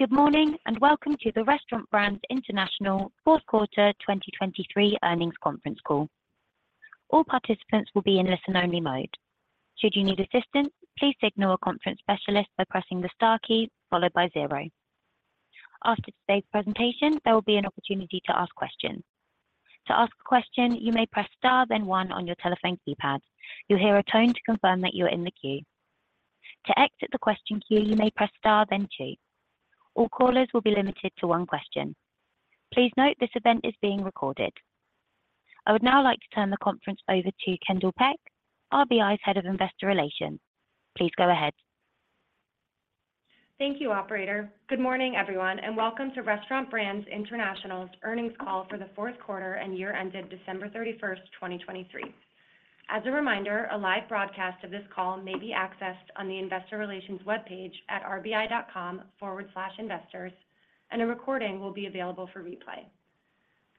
Good morning, and welcome to the Restaurant Brands International fourth quarter 2023 earnings conference call. All participants will be in listen-only mode. Should you need assistance, please signal a conference specialist by pressing the star key followed by zero. After today's presentation, there will be an opportunity to ask questions. To ask a question, you may press star, then one on your telephone keypad. You'll hear a tone to confirm that you are in the queue. To exit the question queue, you may press star, then two. All callers will be limited to one question. Please note, this event is being recorded. I would now like to turn the conference over to Kendall Peck, RBI's Head of Investor Relations. Please go ahead. Thank you, operator. Good morning, everyone, and welcome to Restaurant Brands International's earnings call for the fourth quarter and year ended December 31st, 2023. As a reminder, a live broadcast of this call may be accessed on the investor relations webpage at rbi.com/investors, and a recording will be available for replay.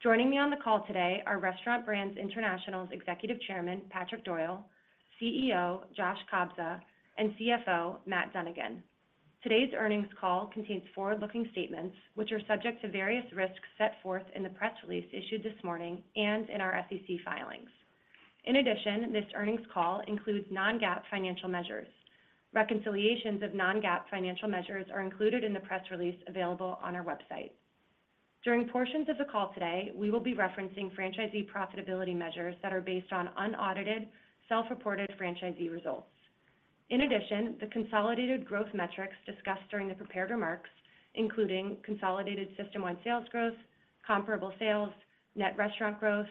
Joining me on the call today are Restaurant Brands International's Executive Chairman, Patrick Doyle, CEO, Josh Kobza, and CFO, Matt Dunnigan. Today's earnings call contains forward-looking statements, which are subject to various risks set forth in the press release issued this morning and in our SEC filings. In addition, this earnings call includes non-GAAP financial measures. Reconciliations of non-GAAP financial measures are included in the press release available on our website. During portions of the call today, we will be referencing franchisee profitability measures that are based on unaudited, self-reported franchisee results. In addition, the consolidated growth metrics discussed during the prepared remarks, including consolidated system-wide sales growth, comparable sales, net restaurant growth,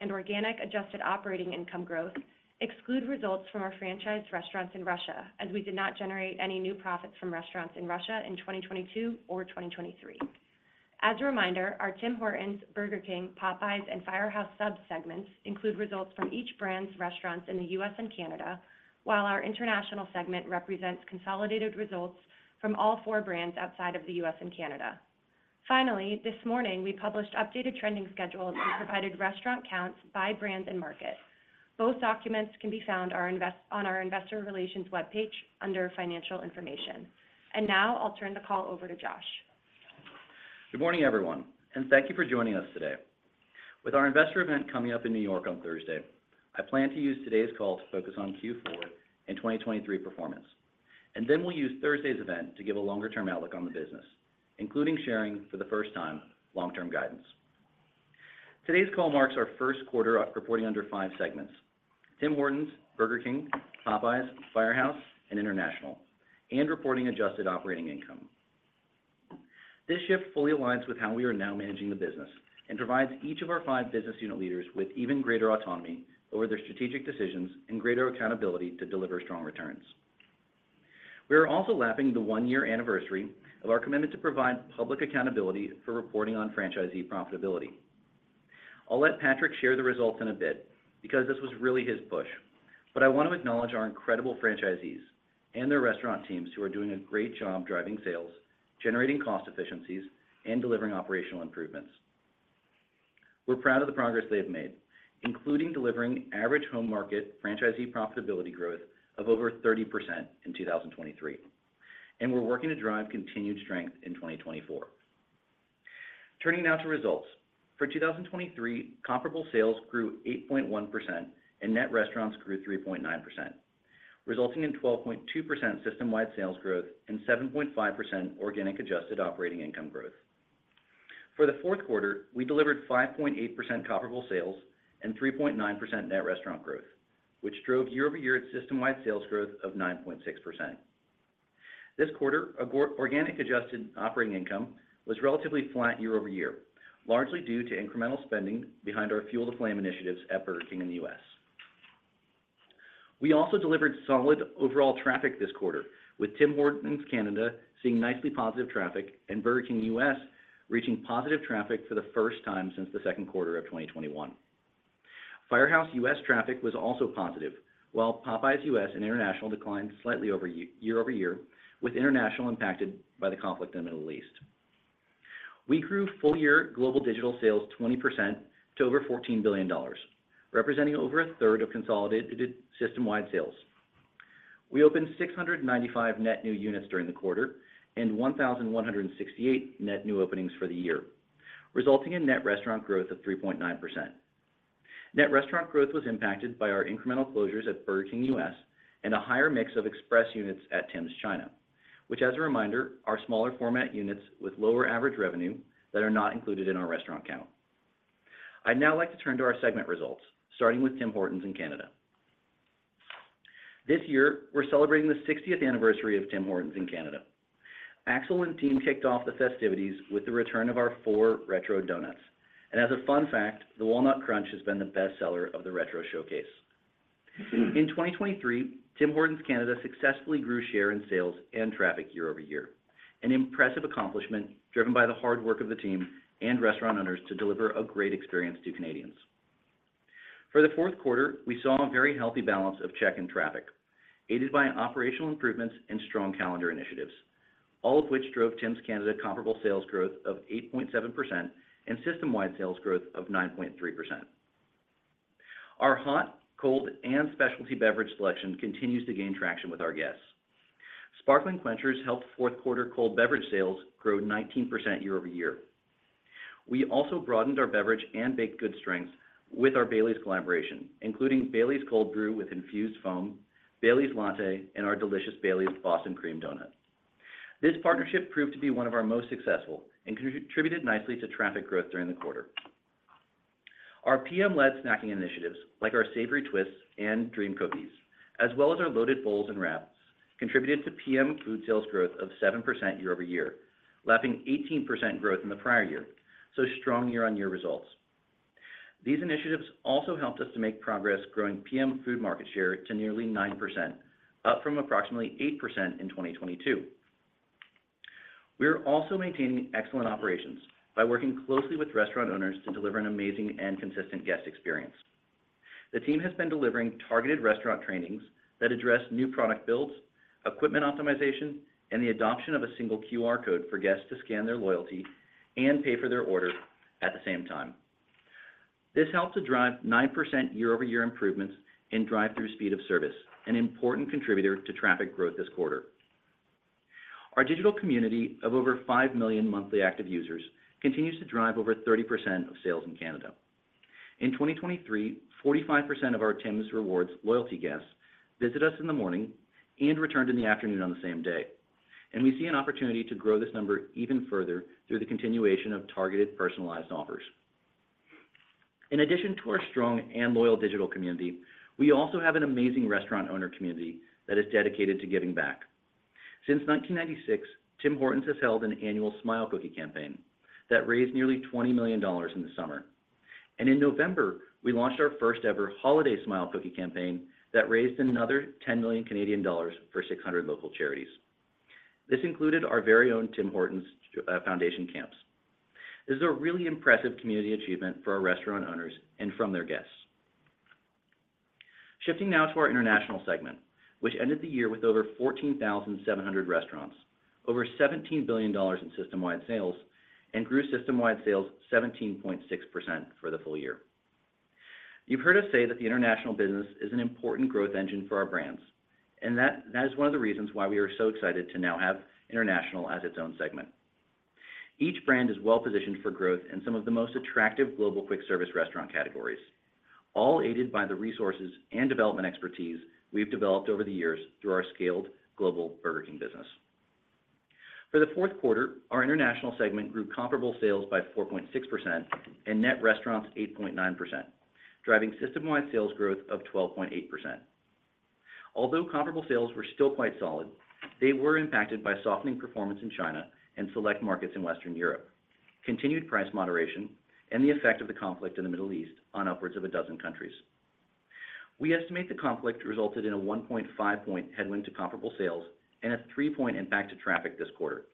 and organic adjusted operating income growth, exclude results from our franchise restaurants in Russia, as we did not generate any new profits from restaurants in Russia in 2022 or 2023. As a reminder, our Burger King, Popeyes, Firehouse Subs segments include results from each brand's restaurants in the U.S. and Canada, while our international segment represents consolidated results from all four brands outside of the U.S. and Canada. Finally, this morning, we published updated trending schedules and provided restaurant counts by brand and market. Both documents can be found on our Investor Relations webpage under Financial Information. Now I'll turn the call over to Josh. Good morning, everyone, and thank you for joining us today. With our investor event coming up in New York on Thursday, I plan to use today's call to focus on Q4 and 2023 performance, and then we'll use Thursday's event to give a longer-term outlook on the business, including sharing for the first time, long-term guidance. Today's call marks our first quarter of reporting under five segments: Burger King, Popeyes, Firehouse, and International, and reporting adjusted operating income. This shift fully aligns with how we are now managing the business and provides each of our five business unit leaders with even greater autonomy over their strategic decisions and greater accountability to deliver strong returns. We are also lapping the one-year anniversary of our commitment to provide public accountability for reporting on franchisee profitability. I'll let Patrick share the results in a bit because this was really his push, but I want to acknowledge our incredible franchisees and their restaurant teams who are doing a great job driving sales, generating cost efficiencies, and delivering operational improvements. We're proud of the progress they have made, including delivering average home market franchisee profitability growth of over 30% in 2023, and we're working to drive continued strength in 2024. Turning now to results. For 2023, comparable sales grew 8.1% and net restaurants grew 3.9%, resulting in 12.2% system-wide sales growth and 7.5% organic adjusted operating income growth. For the fourth quarter, we delivered 5.8% comparable sales and 3.9% net restaurant growth, which drove year-over-year system-wide sales growth of 9.6%. This quarter, organic adjusted operating income was relatively flat year-over-year, largely due to incremental spending behind our Fuel the Flame initiatives Burger King in the U.S. We also delivered solid overall traffic this quarter, Tim Hortons Canada seeing nicely positive traffic Burger King U.S. reaching positive traffic for the first time since the second quarter of 2021. Firehouse U.S. traffic was also positive, while Popeyes U.S. and international declined slightly year-over-year, with international impacted by the conflict in the Middle East. We grew full-year global digital sales 20% to over $14 billion, representing over a third of consolidated system-wide sales. We opened 695 net new units during the quarter and 1,168 net new openings for the year, resulting in net restaurant growth of 3.9%. Net growth was impacted by our incremental closures Burger King U.S. and a higher mix of express units at Tims China, which as a reminder, are smaller format units with lower average revenue that are not included in our restaurant count. I'd now like to turn to our segment results, starting Tim Hortons in Canada. This year, we're celebrating the sixtieth anniversary Tim Hortons in Canada. Axel and team kicked off the festivities with the return of our four retro donuts, and as a fun fact, the Walnut Crunch has been the best seller of the retro showcase. In Tim Hortons canada successfully grew share in sales and traffic year-over-year, an impressive accomplishment driven by the hard work of the team and restaurant owners to deliver a great experience to Canadians. For the fourth quarter, we saw a very healthy balance of check and traffic, aided by operational improvements and strong calendar initiatives, all of which drove Tim's Canada comparable sales growth of 8.7% and system-wide sales growth of 9.3%. Our hot, cold, and specialty beverage selection continues to gain traction with our guests. Sparkling Quenchers helped fourth quarter cold beverage sales grow 19% year-over-year. We also broadened our beverage and baked goods strengths with our Baileys collaboration, including Baileys Cold Brew with Infused Foam, Baileys Latte, and our delicious Baileys Boston Cream Donut. This partnership proved to be one of our most successful and contributed nicely to traffic growth during the quarter. Our PM-led snacking initiatives, like our Savory Twists and Dream Cookies, as well as our Loaded Bowls and wraps, contributed to PM food sales growth of 7% year-over-year, lapping 18% growth in the prior year, so strong year-over-year results. These initiatives also helped us to make progress growing PM food market share to nearly 9%, up from approximately 8% in 2022. We are also maintaining excellent operations by working closely with restaurant owners to deliver an amazing and consistent guest experience. The team has been delivering targeted restaurant trainings that address new product builds, equipment optimization, and the adoption of a single QR code for guests to scan their loyalty and pay for their order at the same time. This helped to drive 9% year-over-year improvements in drive-through speed of service, an important contributor to traffic growth this quarter. Our digital community of over 5 million monthly active users continues to drive over 30% of sales in Canada. In 2023, 45% of our Tims Rewards loyalty guests visit us in the morning and returned in the afternoon on the same day, and we see an opportunity to grow this number even further through the continuation of targeted, personalized offers. In addition to our strong and loyal digital community, we also have an amazing restaurant owner community that is dedicated to giving back. Since Tim Hortons has held an annual Smile Cookie campaign that raised nearly 20 million dollars in the summer. In November, we launched our first-ever Holiday Smile Cookie campaign that raised another 10 million Canadian dollars for 600 local charities. This included our very Tim Hortons Foundation Camps. This is a really impressive community achievement for our restaurant owners and from their guests. Shifting now to our international segment, which ended the year with over 14,700 restaurants, over $17 billion in system-wide sales, and grew system-wide sales 17.6% for the full year. You've heard us say that the international business is an important growth engine for our brands, and that, that is one of the reasons why we are so excited to now have international as its own segment. Each brand is well positioned for growth in some of the most attractive global quick-service restaurant categories, all aided by the resources and development expertise we've developed over the years through our scaled Burger King business. For the fourth quarter, our international segment grew comparable sales by 4.6% and net restaurants 8.9%, driving system-wide sales growth of 12.8%. Although comparable sales were still quite solid, they were impacted by softening performance in China and select markets in Western Europe, continued price moderation, and the effect of the conflict in the Middle East on upwards of a dozen countries. We estimate the conflict resulted in a 1.5-point headwind to comparable sales and a three-point impact to traffic this quarter.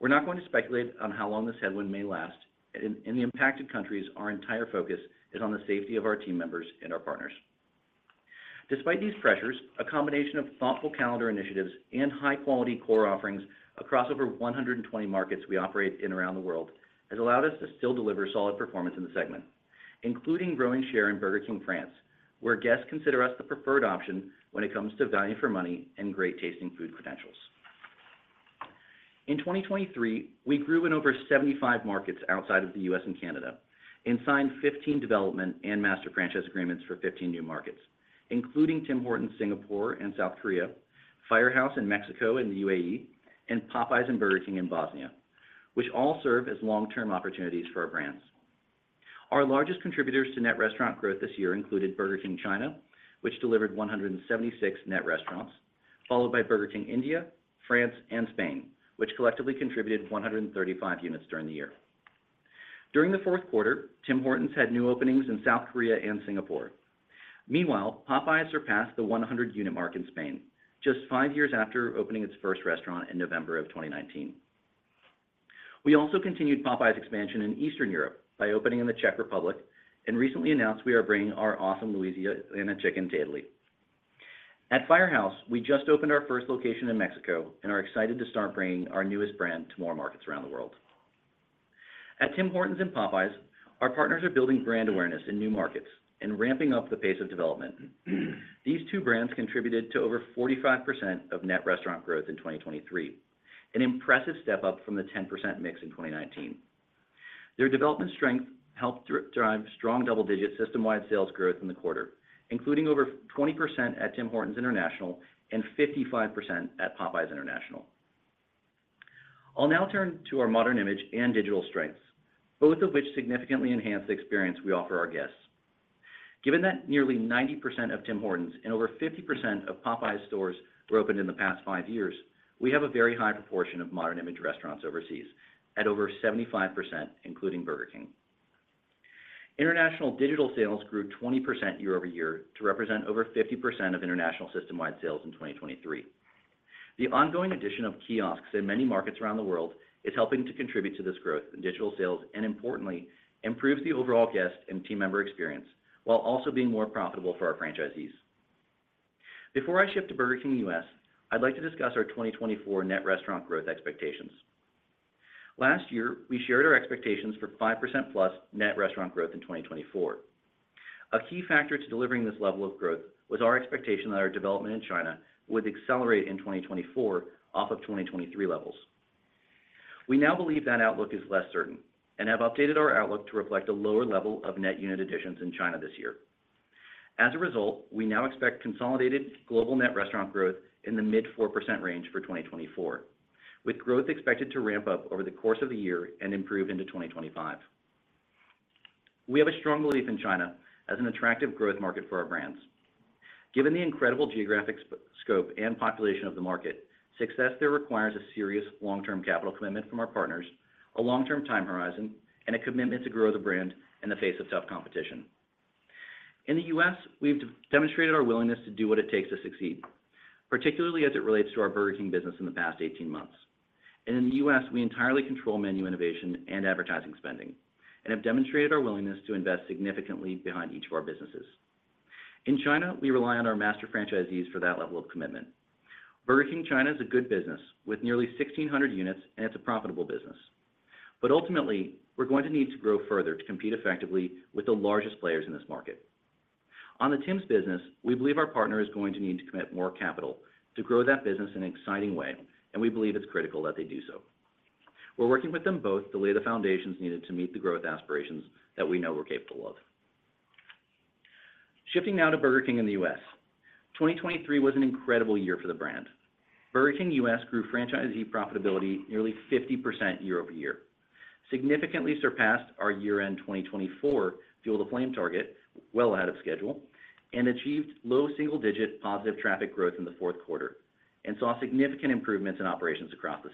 We're not going to speculate on how long this headwind may last. In the impacted countries, our entire focus is on the safety of our team members and our partners. Despite these pressures, a combination of thoughtful calendar initiatives and high-quality core offerings across over 120 markets we operate in around the world, has allowed us to still deliver solid performance in the segment, including growing share Burger King France, where guests consider us the preferred option when it comes to value for money and great tasting food credentials. In 2023, we grew in over 75 markets outside of the U.S. and Canada, and signed 15 development and master franchise agreements for 15 new markets, including Tim Hortons, Singapore, and South Korea, Firehouse in Mexico and the UAE, and Popeyes and Burger King in Bosnia, which all serve as long-term opportunities for our brands. Our largest contributors to net restaurant growth this year Burger King China, which delivered 176 net restaurants, followed Burger King India, France, and Spain, which collectively contributed 135 units during the year. During the fourth Tim Hortons had new openings in South Korea and Singapore. Meanwhile, Popeyes surpassed the 100 unit mark in Spain, just five years after opening its first restaurant in November of 2019. We also continued Popeyes expansion in Eastern Europe by opening in the Czech Republic and recently announced we are bringing our awesome Louisiana chicken to Italy. At Firehouse, we just opened our first location in Mexico and are excited to start bringing our newest brand to more markets around the world. Tim Hortons and Popeyes, our partners are building brand awareness in new markets and ramping up the pace of development. These two brands contributed to over 45% of net restaurant growth in 2023, an impressive step up from the 10% mix in 2019. Their development strength helped drive strong double-digit system-wide sales growth in the quarter, including over 20% Tim Hortons international and 55% at Popeyes International. I'll now turn to our modern image and digital strengths, both of which significantly enhance the experience we offer our guests. Given that nearly 90% Tim Hortons and over 50% of Popeyes stores were opened in the past five years, we have a very high proportion of modern image restaurants overseas at over 75%, Burger King International digital sales grew 20% year-over-year to represent over 50% of international system-wide sales in 2023. The ongoing addition of kiosks in many markets around the world is helping to contribute to this growth in digital sales, and importantly, improves the overall guest and team member experience, while also being more profitable for our franchisees.... Before Burger King U.S., i'd like to discuss our 2024 net restaurant growth expectations. Last year, we shared our expectations for 5%+ net restaurant growth in 2024. A key factor to delivering this level of growth was our expectation that our development in China would accelerate in 2024 off of 2023 levels. We now believe that outlook is less certain and have updated our outlook to reflect a lower level of net unit additions in China this year. As a result, we now expect consolidated global net restaurant growth in the mid-4% range for 2024, with growth expected to ramp up over the course of the year and improve into 2025. We have a strong belief in China as an attractive growth market for our brands. Given the incredible geographic scope and population of the market, success there requires a serious long-term capital commitment from our partners, a long-term time horizon, and a commitment to grow the brand in the face of tough competition. In the U.S., we've demonstrated our willingness to do what it takes to succeed, particularly as it relates to Burger King business in the past 18 months. And in the U.S., we entirely control menu innovation and advertising spending, and have demonstrated our willingness to invest significantly behind each of our businesses. In China, we rely on our master franchisees for that level of Burger King china is a good business with nearly 1,600 units, and it's a profitable business. But ultimately, we're going to need to grow further to compete effectively with the largest players in this market. On the Tim's business, we believe our partner is going to need to commit more capital to grow that business in an exciting way, and we believe it's critical that they do so. We're working with them both to lay the foundations needed to meet the growth aspirations that we know we're capable of. Shifting now Burger King in the U.S. 2023 was an incredible year for the brand. Burger King U.S. grew franchisee profitability nearly 50% year-over-year, significantly surpassed our year-end 2024 Fuel the Flame target well ahead of schedule, and achieved low single-digit positive traffic growth in the fourth quarter, and saw significant improvements in operations across the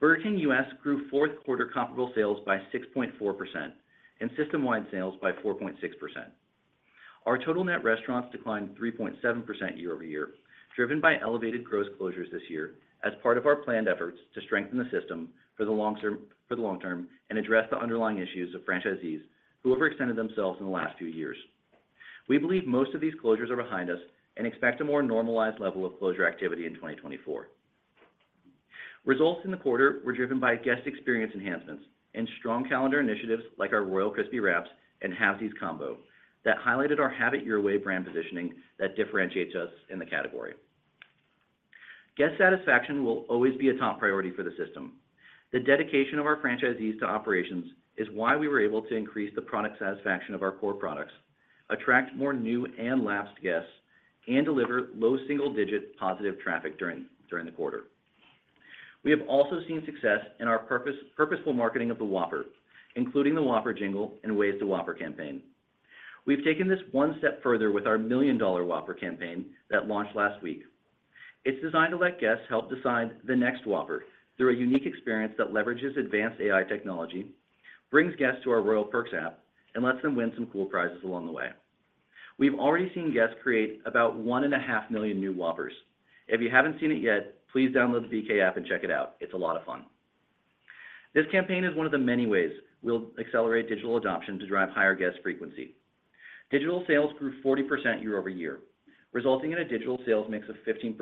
Burger King U.S. grew fourth quarter comparable sales by 6.4% and system-wide sales by 4.6%. Our total net restaurants declined 3.7% year-over-year, driven by elevated gross closures this year as part of our planned efforts to strengthen the system for the long term, for the long term, and address the underlying issues of franchisees who overextended themselves in the last few years. We believe most of these closures are behind us, and expect a more normalized level of closure activity in 2024. Results in the quarter were driven by guest experience enhancements and strong calendar initiatives like our Royal Crispy Wraps and Halfsies Combo that highlighted our Have It Your Way brand positioning that differentiates us in the category. Guest satisfaction will always be a top priority for the system. The dedication of our franchisees to operations is why we were able to increase the product satisfaction of our core products, attract more new and lapsed guests, and deliver low single-digit positive traffic during the quarter. We have also seen success in our purposeful marketing of the Whopper, including the Whopper jingle and Ways to Whopper campaign. We've taken this one step further with our Million Dollar Whopper campaign that launched last week. It's designed to let guests help decide the next Whopper through a unique experience that leverages advanced AI technology, brings guests to our Royal Perks app, and lets them win some cool prizes along the way. We've already seen guests create about 1.5 million new Whoppers. If you haven't seen it yet, please download the BK app and check it out. It's a lot of fun. This campaign is one of the many ways we'll accelerate digital adoption to drive higher guest frequency. Digital sales grew 40% year-over-year, resulting in a digital sales mix of 15%,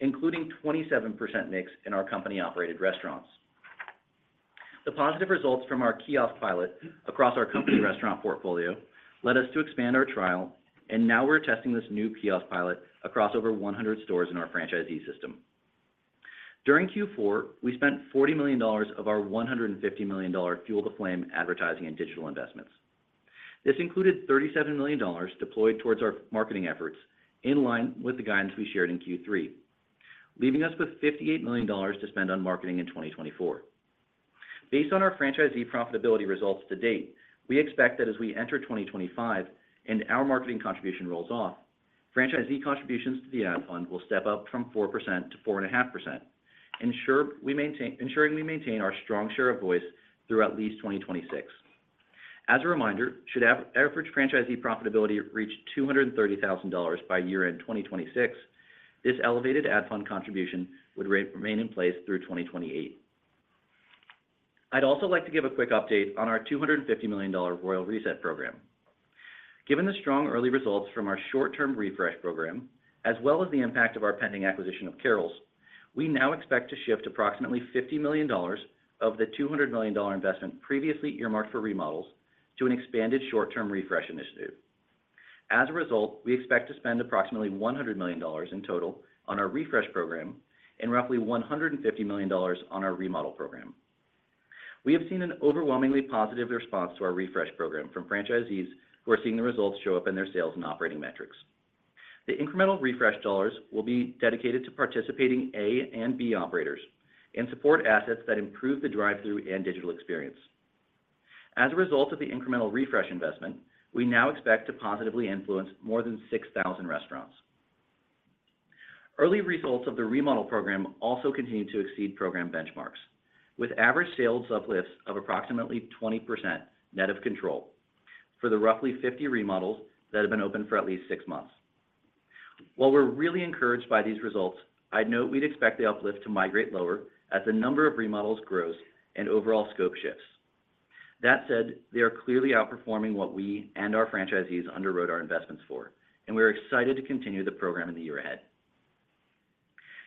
including 27% mix in our company-operated restaurants. The positive results from our kiosk pilot across our company restaurant portfolio led us to expand our trial, and now we're testing this new kiosk pilot across over 100 stores in our franchisee system. During Q4, we spent $40 million of our $150 million Fuel the Flame advertising and digital investments. This included $37 million deployed towards our marketing efforts, in line with the guidance we shared in Q3, leaving us with $58 million to spend on marketing in 2024. Based on our franchisee profitability results to date, we expect that as we enter 2025 and our marketing contribution rolls off, franchisee contributions to the ad fund will step up from 4% to 4.5%, ensuring we maintain our strong share of voice through at least 2026. As a reminder, should average franchisee profitability reach $230,000 by year-end 2026, this elevated ad fund contribution would remain in place through 2028. I'd also like to give a quick update on our $250 million Royal Reset program. Given the strong early results from our short-term refresh program, as well as the impact of our pending acquisition of Carrols, we now expect to shift approximately $50 million of the $200 million investment previously earmarked for remodels to an expanded short-term refresh initiative. As a result, we expect to spend approximately $100 million in total on our refresh program and roughly $150 million on our remodel program. We have seen an overwhelmingly positive response to our refresh program from franchisees who are seeing the results show up in their sales and operating metrics. The incremental refresh dollars will be dedicated to participating A and B operators and support assets that improve the drive-thru and digital experience. As a result of the incremental refresh investment, we now expect to positively influence more than 6,000 restaurants. Early results of the remodel program also continue to exceed program benchmarks, with average sales uplifts of approximately 20% net of control for the roughly 50 remodels that have been open for at least six months. While we're really encouraged by these results, I'd note we'd expect the uplift to migrate lower as the number of remodels grows and overall scope shifts.... That said, they are clearly outperforming what we and our franchisees underwrote our investments for, and we are excited to continue the program in the year ahead.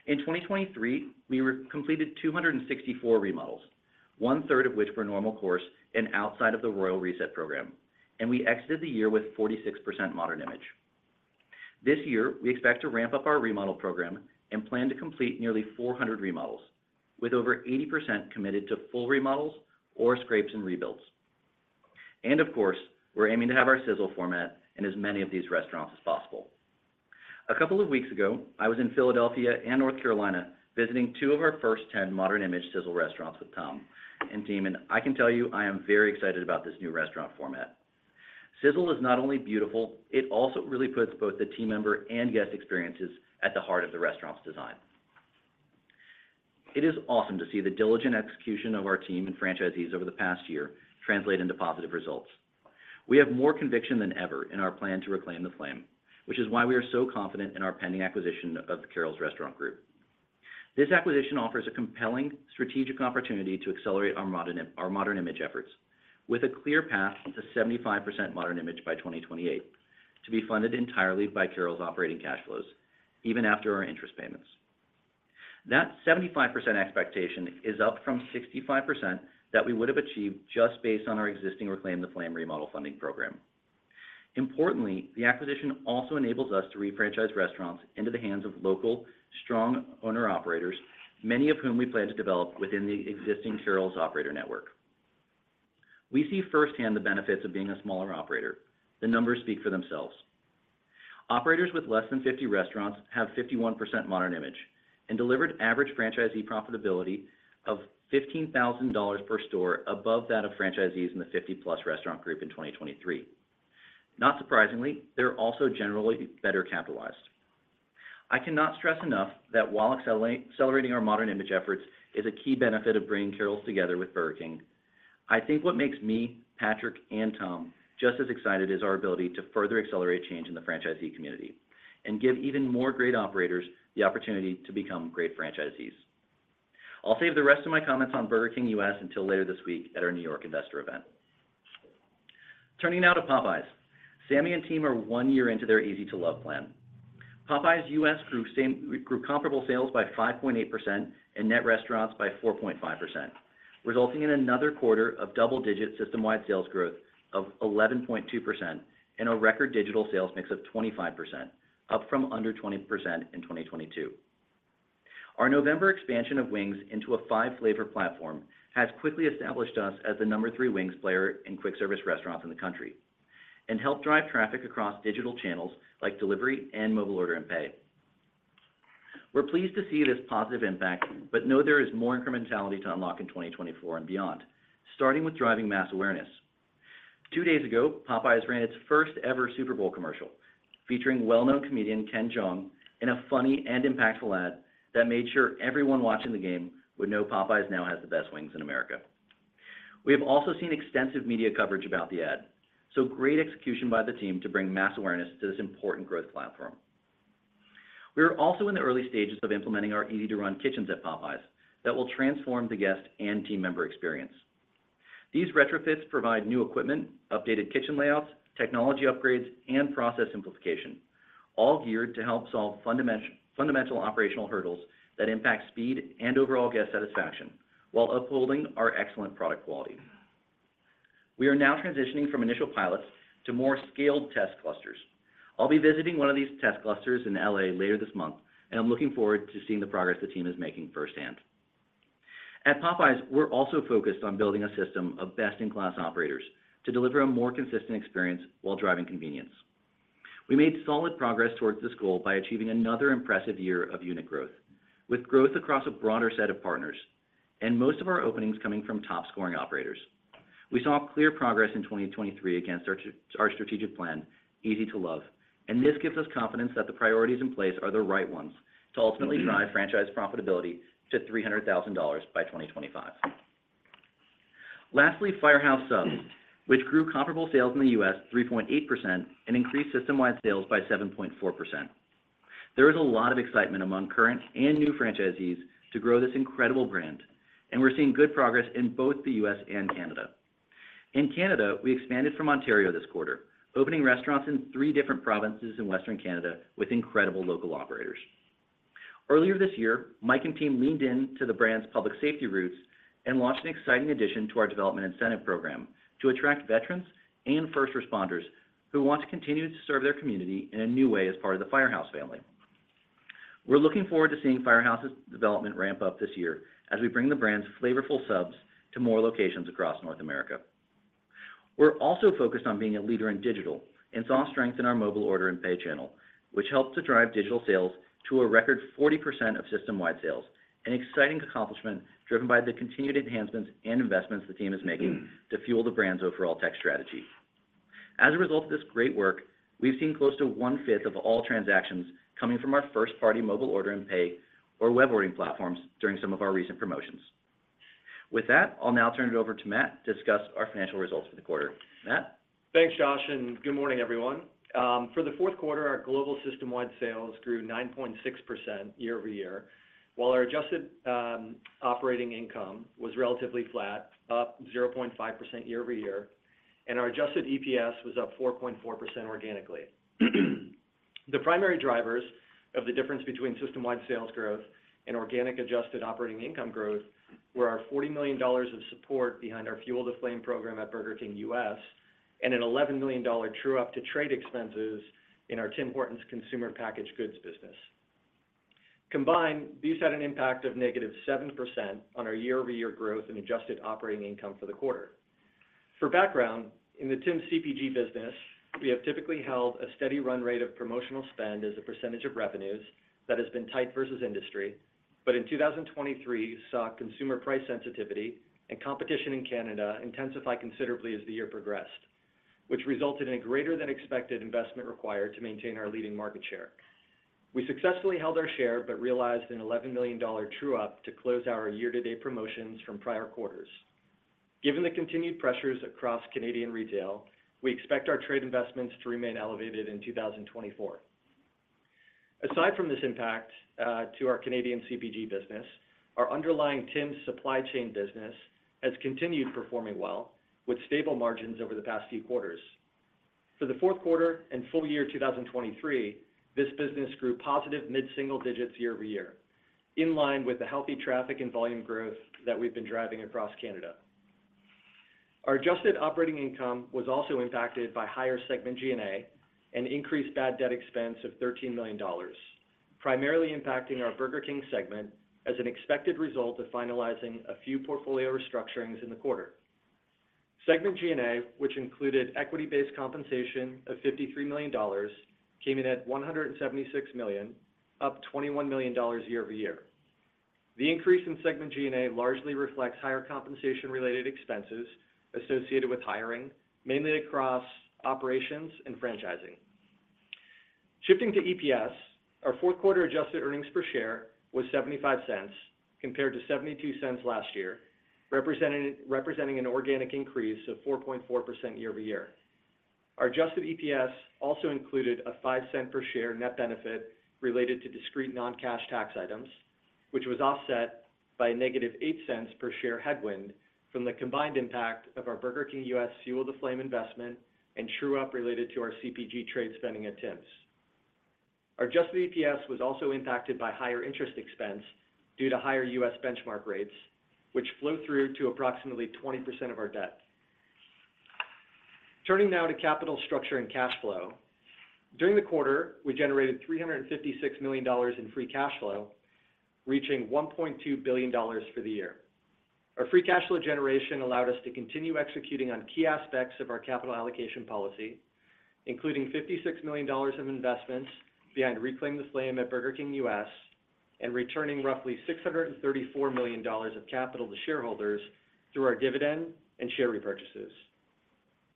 In 2023, we completed 264 remodels, one-third of which were normal course and outside of the Royal Reset program, and we exited the year with 46% modern image. This year, we expect to ramp up our remodel program and plan to complete nearly 400 remodels, with over 80% committed to full remodels or scrapes and rebuilds. Of course, we're aiming to have our Sizzle format in as many of these restaurants as possible. A couple of weeks ago, I was in Philadelphia and North Carolina, visiting two of our first 10 modern image Sizzle restaurants with Tom and team, and I can tell you, I am very excited about this new restaurant format. Sizzle is not only beautiful, it also really puts both the team member and guest experiences at the heart of the restaurant's design. It is awesome to see the diligent execution of our team and franchisees over the past year translate into positive results. We have more conviction than ever in our plan to Reclaim the Flame, which is why we are so confident in our pending acquisition of the Carrols Restaurant Group. This acquisition offers a compelling strategic opportunity to accelerate our modern image efforts with a clear path to 75% modern image by 2028, to be funded entirely by Carrols operating cash flows, even after our interest payments. That 75% expectation is up from 65% that we would have achieved just based on our existing Reclaim the Flame remodel funding program. Importantly, the acquisition also enables us to refranchise restaurants into the hands of local, strong owner-operators, many of whom we plan to develop within the existing Carrols operator network. We see firsthand the benefits of being a smaller operator. The numbers speak for themselves. Operators with less than 50 restaurants have 51% modern image and delivered average franchisee profitability of $15,000 per store above that of franchisees in the 50-plus restaurant group in 2023. Not surprisingly, they're also generally better capitalized. I cannot stress enough that while accelerating our modern image efforts is a key benefit of bringing Carrols together Burger King, i think what makes me, Patrick, and Tom just as excited, is our ability to further accelerate change in the franchisee community and give even more great operators the opportunity to become great franchisees. I'll save the rest of Burger King U.S. until later this week at our New York investor event. Turning now to Popeyes. Sammy and team are one year into their Easy to Love plan. Popeyes U.S. grew comparable sales by 5.8% and net restaurants by 4.5%, resulting in another quarter of double-digit system-wide sales growth of 11.2% and a record digital sales mix of 25%, up from under 20% in 2022. Our November expansion of wings into a five-flavor platform has quickly established us as the number three wings player in quick service restaurants in the country, and helped drive traffic across digital channels like delivery and mobile order and pay. We're pleased to see this positive impact, but know there is more incrementality to unlock in 2024 and beyond, starting with driving mass awareness. Two days ago, Popeyes ran its first-ever Super Bowl commercial, featuring well-known comedian Ken Jeong, in a funny and impactful ad that made sure everyone watching the game would know Popeyes now has the best wings in America. We have also seen extensive media coverage about the ad, so great execution by the team to bring mass awareness to this important growth platform. We are also in the early stages of implementing our Easy to Run kitchens at Popeyes that will transform the guest and team member experience. These retrofits provide new equipment, updated kitchen layouts, technology upgrades, and process simplification, all geared to help solve fundamental operational hurdles that impact speed and overall guest satisfaction while upholding our excellent product quality. We are now transitioning from initial pilots to more scaled test clusters. I'll be visiting one of these test clusters in L.A. later this month, and I'm looking forward to seeing the progress the team is making firsthand. At Popeyes, we're also focused on building a system of best-in-class operators to deliver a more consistent experience while driving convenience. We made solid progress towards this goal by achieving another impressive year of unit growth, with growth across a broader set of partners and most of our openings coming from top-scoring operators. We saw clear progress in 2023 against our our strategic plan, Easy to Love, and this gives us confidence that the priorities in place are the right ones to ultimately drive franchise profitability to $300,000 by 2025. Firehouse Subs, which grew comparable sales in the U.S. 3.8% and increased system-wide sales by 7.4%. There is a lot of excitement among current and new franchisees to grow this incredible brand, and we're seeing good progress in both the U.S. and Canada. In Canada, we expanded from Ontario this quarter, opening restaurants in three different provinces in Western Canada with incredible local operators. Earlier this year, Mike and team leaned into the brand's public safety routes and launched an exciting addition to our development incentive program to attract veterans and first responders who want to continue to serve their community in a new way as part of the Firehouse family. We're looking forward to seeing Firehouse's development ramp up this year as we bring the brand's flavorful subs to more locations across North America. We're also focused on being a leader in digital and saw strength in our mobile order and pay channel, which helped to drive digital sales to a record 40% of system-wide sales, an exciting accomplishment driven by the continued enhancements and investments the team is making to fuel the brand's overall tech strategy. As a result of this great work, we've seen close to one-fifth of all transactions coming from our first-party mobile order and pay or web ordering platforms during some of our recent promotions. With that, I'll now turn it over to Matt to discuss our financial results for the quarter. Matt? Thanks, Josh, and good morning, everyone. For the fourth quarter, our global system-wide sales grew 9.6% year-over-year, while our adjusted operating income was relatively flat, up 0.5% year-over-year, and our adjusted EPS was up 4.4% organically. The primary drivers of the difference between system-wide sales growth and organic adjusted operating income growth were our $40 million of support behind our Fuel the Flame at Burger King U.S., and an $11 million true-up to trade expenses in Tim Hortons consumer packaged goods business. Combined, these had an impact of -7% on our year-over-year growth and adjusted operating income for the quarter. For background, in the Tims CPG business, we have typically held a steady run rate of promotional spend as a percentage of revenues that has been tight versus industry, but in 2023, saw consumer price sensitivity and competition in Canada intensify considerably as the year progressed, which resulted in a greater than expected investment required to maintain our leading market share. We successfully held our share, but realized an $11 million true-up to close our year-to-date promotions from prior quarters. Given the continued pressures across Canadian retail, we expect our trade investments to remain elevated in 2024. Aside from this impact to our Canadian CPG business, our underlying Tim's supply chain business has continued performing well, with stable margins over the past few quarters. For the fourth quarter and full year 2023, this business grew positive mid-single digits year-over-year, in line with the healthy traffic and volume growth that we've been driving across Canada. Our adjusted operating income was also impacted by higher segment G&A and increased bad debt expense of $13 million, primarily impacting Burger King segment, as an expected result of finalizing a few portfolio restructurings in the quarter. Segment G&A, which included equity-based compensation of $53 million, came in at $176 million, up $21 million year-over-year. The increase in segment G&A largely reflects higher compensation-related expenses associated with hiring, mainly across operations and franchising. Shifting to EPS, our fourth quarter adjusted earnings per share was $0.75, compared to $0.72 last year, representing, representing an organic increase of 4.4% year-over-year. Our adjusted EPS also included a $0.05 per share net benefit related to discrete non-cash tax items, which was offset by a -$0.08 per share headwind from the combined impact of Burger King U.S. Fuel the Flame investment, and true-up related to our CPG trade spending at Tims. Our adjusted EPS was also impacted by higher interest expense due to higher U.S. benchmark rates, which flow through to approximately 20% of our debt. Turning now to capital structure and cash flow. During the quarter, we generated $356 million in free cash flow, reaching $1.2 billion for the year. Our free cash flow generation allowed us to continue executing on key aspects of our capital allocation policy, including $56 million of investments behind Reclaim the Flame Burger King U.S., and returning roughly $634 million of capital to shareholders through our dividend and share repurchases.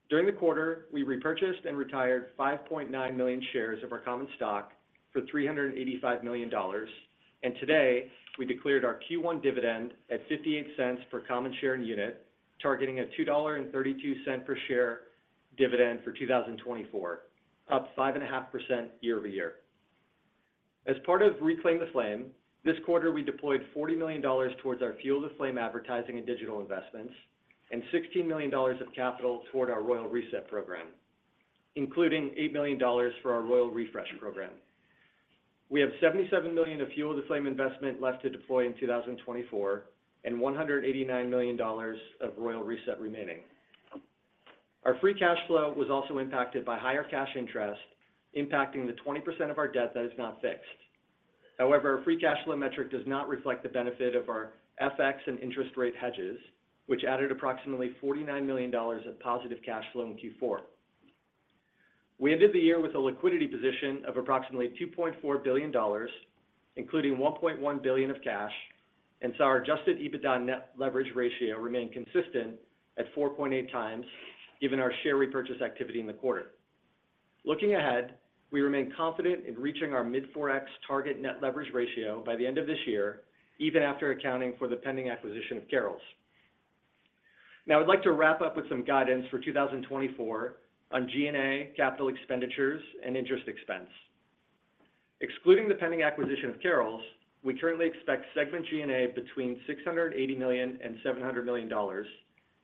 During the quarter, we repurchased and retired 5.9 million shares of our common stock for $385 million, and today, we declared our Q1 dividend at $0.58 per common share and unit, targeting a $2.32 per share dividend for 2024, up 5.5% year-over-year. As part of Reclaim the Flame, this quarter, we deployed $40 million towards our Fuel the Flame advertising and digital investments, and $16 million of capital toward our Royal Reset program, including $8 million for our Royal Refresh program. We have $77 million of Fuel the Flame investment left to deploy in 2024, and $189 million of Royal Reset remaining. Our free cash flow was also impacted by higher cash interest, impacting the 20% of our debt that is not fixed. However, our free cash flow metric does not reflect the benefit of our FX and interest rate hedges, which added approximately $49 million of positive cash flow in Q4. We ended the year with a liquidity position of approximately $2.4 billion, including $1.1 billion of cash, and so our adjusted EBITDA net leverage ratio remained consistent at 4.8x, given our share repurchase activity in the quarter. Looking ahead, we remain confident in reaching our mid-4x target net leverage ratio by the end of this year, even after accounting for the pending acquisition of Carrols. Now, I'd like to wrap up with some guidance for 2024 on G&A capital expenditures and interest expense. Excluding the pending acquisition of Carrols, we currently expect segment G&A between $680 million and $700 million,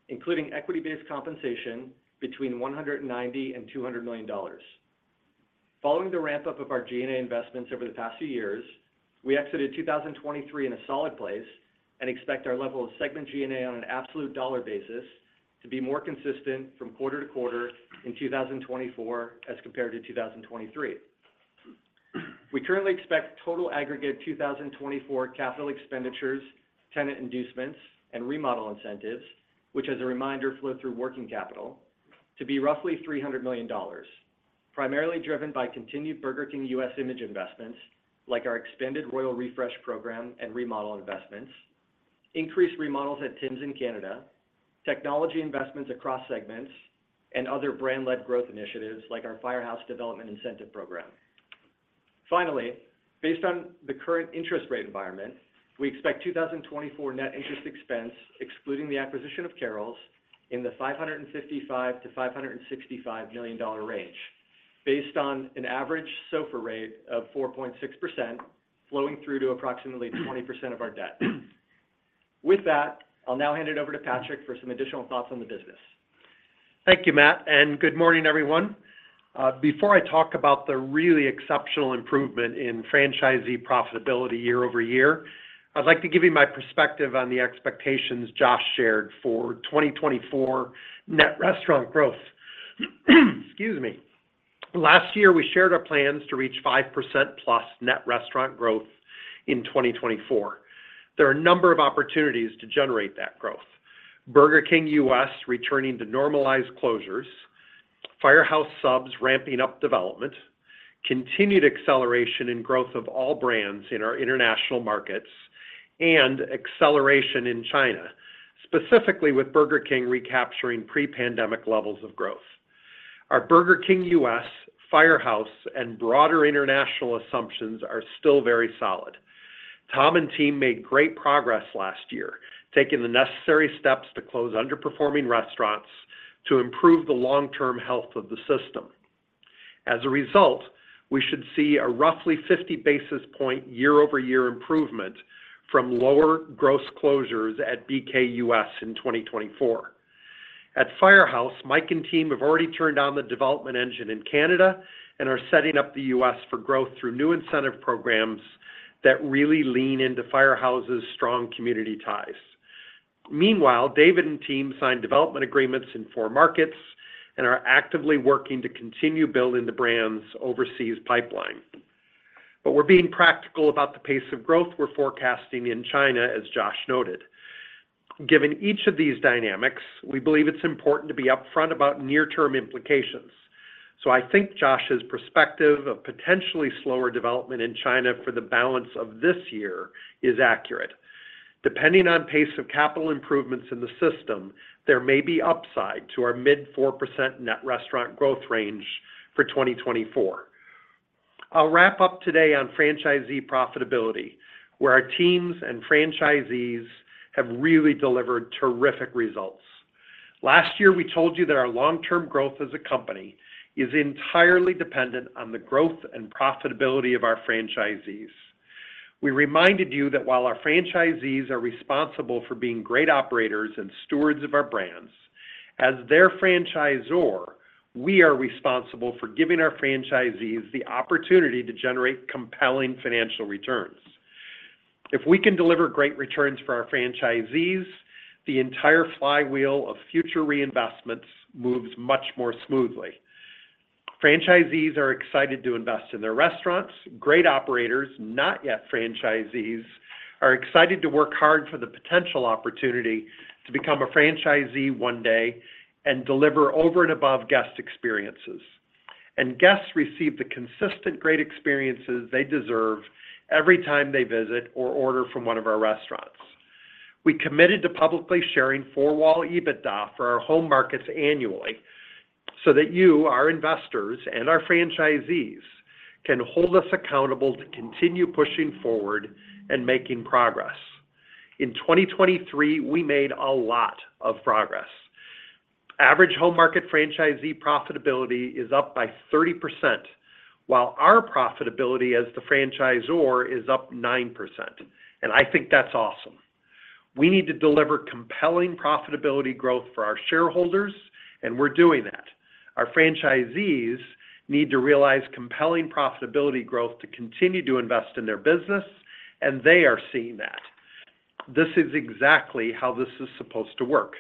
including equity-based compensation between $190 million and $200 million. Following the ramp-up of our G&A investments over the past few years, we exited 2023 in a solid place and expect our level of segment G&A on an absolute dollar basis to be more consistent from quarter-to-quarter in 2024 as compared to 2023. We currently expect total aggregate 2024 capital expenditures, tenant inducements, and remodel incentives, which, as a reminder, flow through working capital, to be roughly $300 million, primarily Burger King U.S. image investments, like our expanded Royal Refresh program and remodel investments, increased remodels at Tims in Canada, technology investments across segments, and other brand-led growth initiatives, like our Firehouse Development Incentive Program. Finally, based on the current interest rate environment, we expect 2024 net interest expense, excluding the acquisition of Carrols, in the $555 million-$565 million range, based on an average SOFR rate of 4.6%, flowing through to approximately 20% of our debt. With that, I'll now hand it over to Patrick for some additional thoughts on the business. Thank you, Matt, and good morning, everyone. Before I talk about the really exceptional improvement in franchisee profitability year-over-year, I'd like to give you my perspective on the expectations Josh shared for 2024 net restaurant growth. Excuse me. Last year, we shared our plans to reach 5%+ net restaurant growth in 2024. There are a number of opportunities to Burger King U.S. returning to normalized Firehouse Subs ramping up development, continued acceleration in growth of all brands in our international markets, and acceleration in China, specifically Burger King recapturing pre-pandemic levels Burger King U.S., firehouse, and broader international assumptions are still very solid. Tom and team made great progress last year, taking the necessary steps to close underperforming restaurants to improve the long-term health of the system. As a result, we should see a roughly 50 basis points year-over-year improvement from lower gross closures at BK US in 2024. At Firehouse, Mike and team have already turned on the development engine in Canada and are setting up the U.S. for growth through new incentive programs that really lean into Firehouse's strong community ties. Meanwhile, David and team signed development agreements in four markets and are actively working to continue building the brand's overseas pipeline. But we're being practical about the pace of growth we're forecasting in China, as Josh noted. Given each of these dynamics, we believe it's important to be upfront about near-term implications. So I think Josh's perspective of potentially slower development in China for the balance of this year is accurate. Depending on pace of capital improvements in the system, there may be upside to our mid-4% net restaurant growth range for 2024. I'll wrap up today on franchisee profitability, where our teams and franchisees have really delivered terrific results. Last year, we told you that our long-term growth as a company is entirely dependent on the growth and profitability of our franchisees. We reminded you that while our franchisees are responsible for being great operators and stewards of our brands, as their franchisor, we are responsible for giving our franchisees the opportunity to generate compelling financial returns. If we can deliver great returns for our franchisees, the entire flywheel of future reinvestments moves much more smoothly. Franchisees are excited to invest in their restaurants. Great operators, not yet franchisees, are excited to work hard for the potential opportunity to become a franchisee one day and deliver over-and-above guest experiences. Guests receive the consistent, great experiences they deserve every time they visit or order from one of our restaurants. We committed to publicly sharing Four-Wall EBITDA for our home markets annually, so that you, our investors and our franchisees, can hold us accountable to continue pushing forward and making progress. In 2023, we made a lot of progress. Average home market franchisee profitability is up by 30%, while our profitability as the franchisor is up 9%, and I think that's awesome. We need to deliver compelling profitability growth for our shareholders, and we're doing that. Our franchisees need to realize compelling profitability growth to continue to invest in their business, and they are seeing that. This is exactly how this is supposed to work.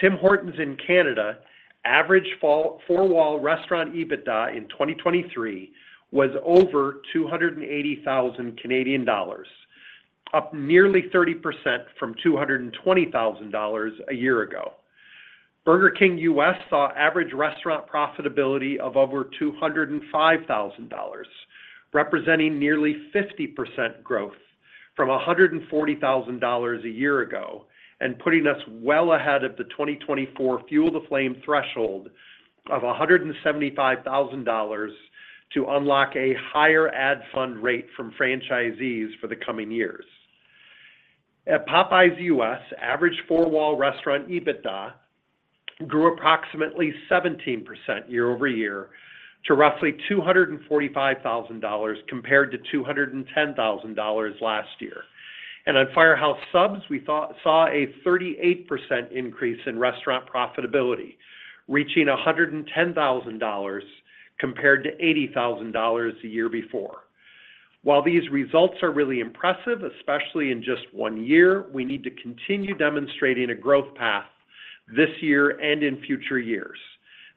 Tim Hortons in Canada, average four-wall restaurant EBITDA in 2023 was over 280,000 Canadian dollars, up nearly 30% from 220,000 dollars a year Burger King U.S. saw average restaurant profitability of over $205,000, representing nearly 50% growth from $140,000 a year ago, and putting us well ahead of the 2024 Fuel the Flame threshold of $175,000 to unlock a higher ad fund rate from franchisees for the coming years. At Popeyes U.S., average four-wall restaurant EBITDA grew approximately 17% year-over-year to roughly $245,000, compared to $210,000 last year. Firehouse Subs, we saw a 38% increase in restaurant profitability, reaching $110,000 compared to $80,000 the year before. While these results are really impressive, especially in just one year, we need to continue demonstrating a growth path this year and in future years.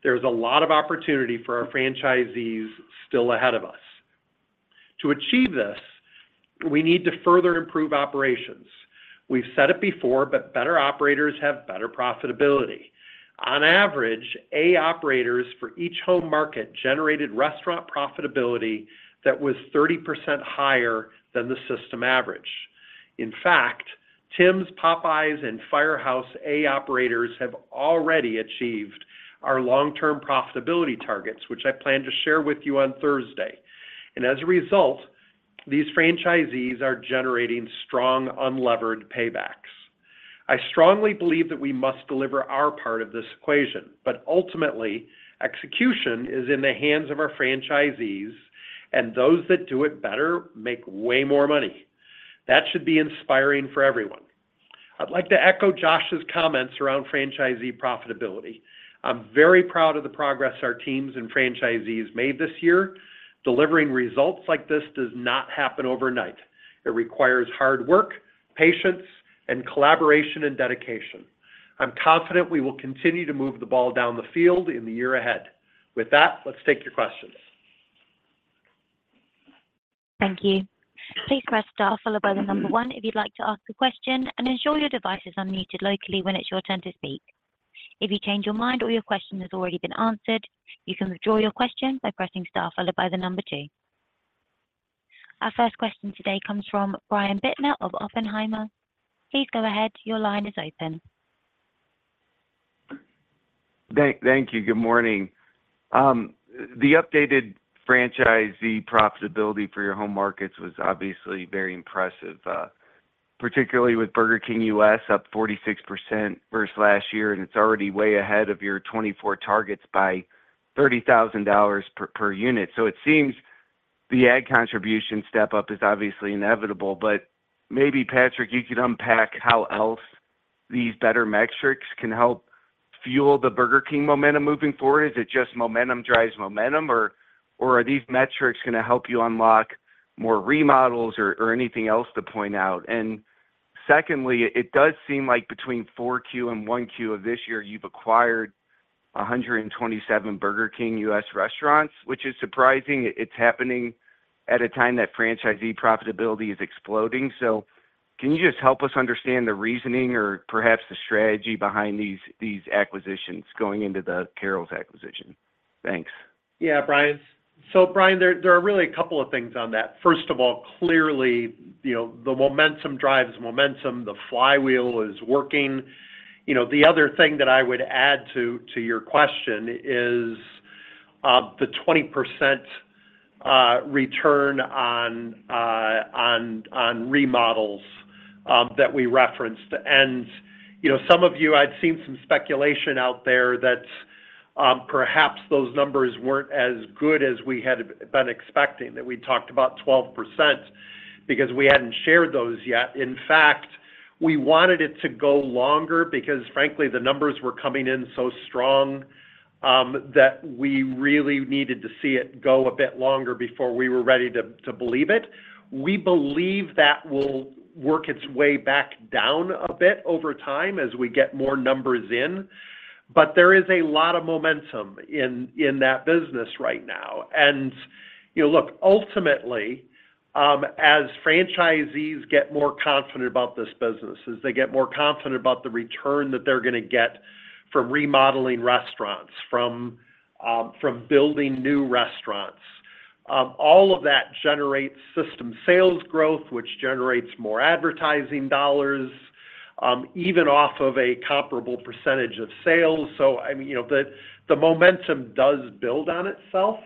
There's a lot of opportunity for our franchisees still ahead of us. To achieve this, we need to further improve operations. We've said it before, but better operators have better profitability. On average, A operators for each home market generated restaurant profitability that was 30% higher than the system average. In fact, Tim's, Popeyes, and Firehouse A operators have already achieved our long-term profitability targets, which I plan to share with you on Thursday. And as a result, these franchisees are generating strong unlevered paybacks. I strongly believe that we must deliver our part of this equation, but ultimately, execution is in the hands of our franchisees, and those that do it better make way more money. That should be inspiring for everyone. I'd like to echo Josh's comments around franchisee profitability. I'm very proud of the progress our teams and franchisees made this year. Delivering results like this does not happen overnight. It requires hard work, patience, and collaboration, and dedication. I'm confident we will continue to move the ball down the field in the year ahead. With that, let's take your questions. Thank you. Please press star followed by the number one if you'd like to ask a question, and ensure your device is unmuted locally when it's your turn to speak. If you change your mind or your question has already been answered, you can withdraw your question by pressing star followed by the number two. Our first question today comes from Brian Bittner of Oppenheimer. Please go ahead. Your line is open. Thank you. Good morning. The updated franchisee profitability for your home markets was obviously very Burger King U.S. up 46% versus last year, and it's already way ahead of your 2024 targets by $30,000 per unit. So it seems the ad contribution step up is obviously inevitable, but maybe, Patrick, you could unpack how else these better metrics can help fuel Burger King momentum moving forward. Is it just momentum drives momentum, or are these metrics going to help you unlock more remodels or anything else to point out? And secondly, it does seem like between 4Q and 1Q of this year, Burger King U.S. restaurants, which is surprising. It's happening at a time that franchisee profitability is exploding. Can you just help us understand the reasoning or perhaps the strategy behind these acquisitions going into the Carrols acquisition? Thanks. Yeah, Brian. So Brian, there are really a couple of things on that. First of all, clearly, you know, the momentum drives momentum, the flywheel is working. You know, the other thing that I would add to your question is the 20% return on remodels that we referenced. And, you know, some of you, I'd seen some speculation out there that perhaps those numbers weren't as good as we had been expecting, that we talked about 12% because we hadn't shared those yet. In fact, we wanted it to go longer because frankly, the numbers were coming in so strong that we really needed to see it go a bit longer before we were ready to believe it. We believe that will work its way back down a bit over time as we get more numbers in, but there is a lot of momentum in that business right now. And, you know, look, ultimately, as franchisees get more confident about this business, as they get more confident about the return that they're going to get from remodeling restaurants, from building new restaurants, all of that generates system sales growth, which generates more advertising dollars, even off of a comparable percentage of sales. So I mean, you know, the momentum does build on itself.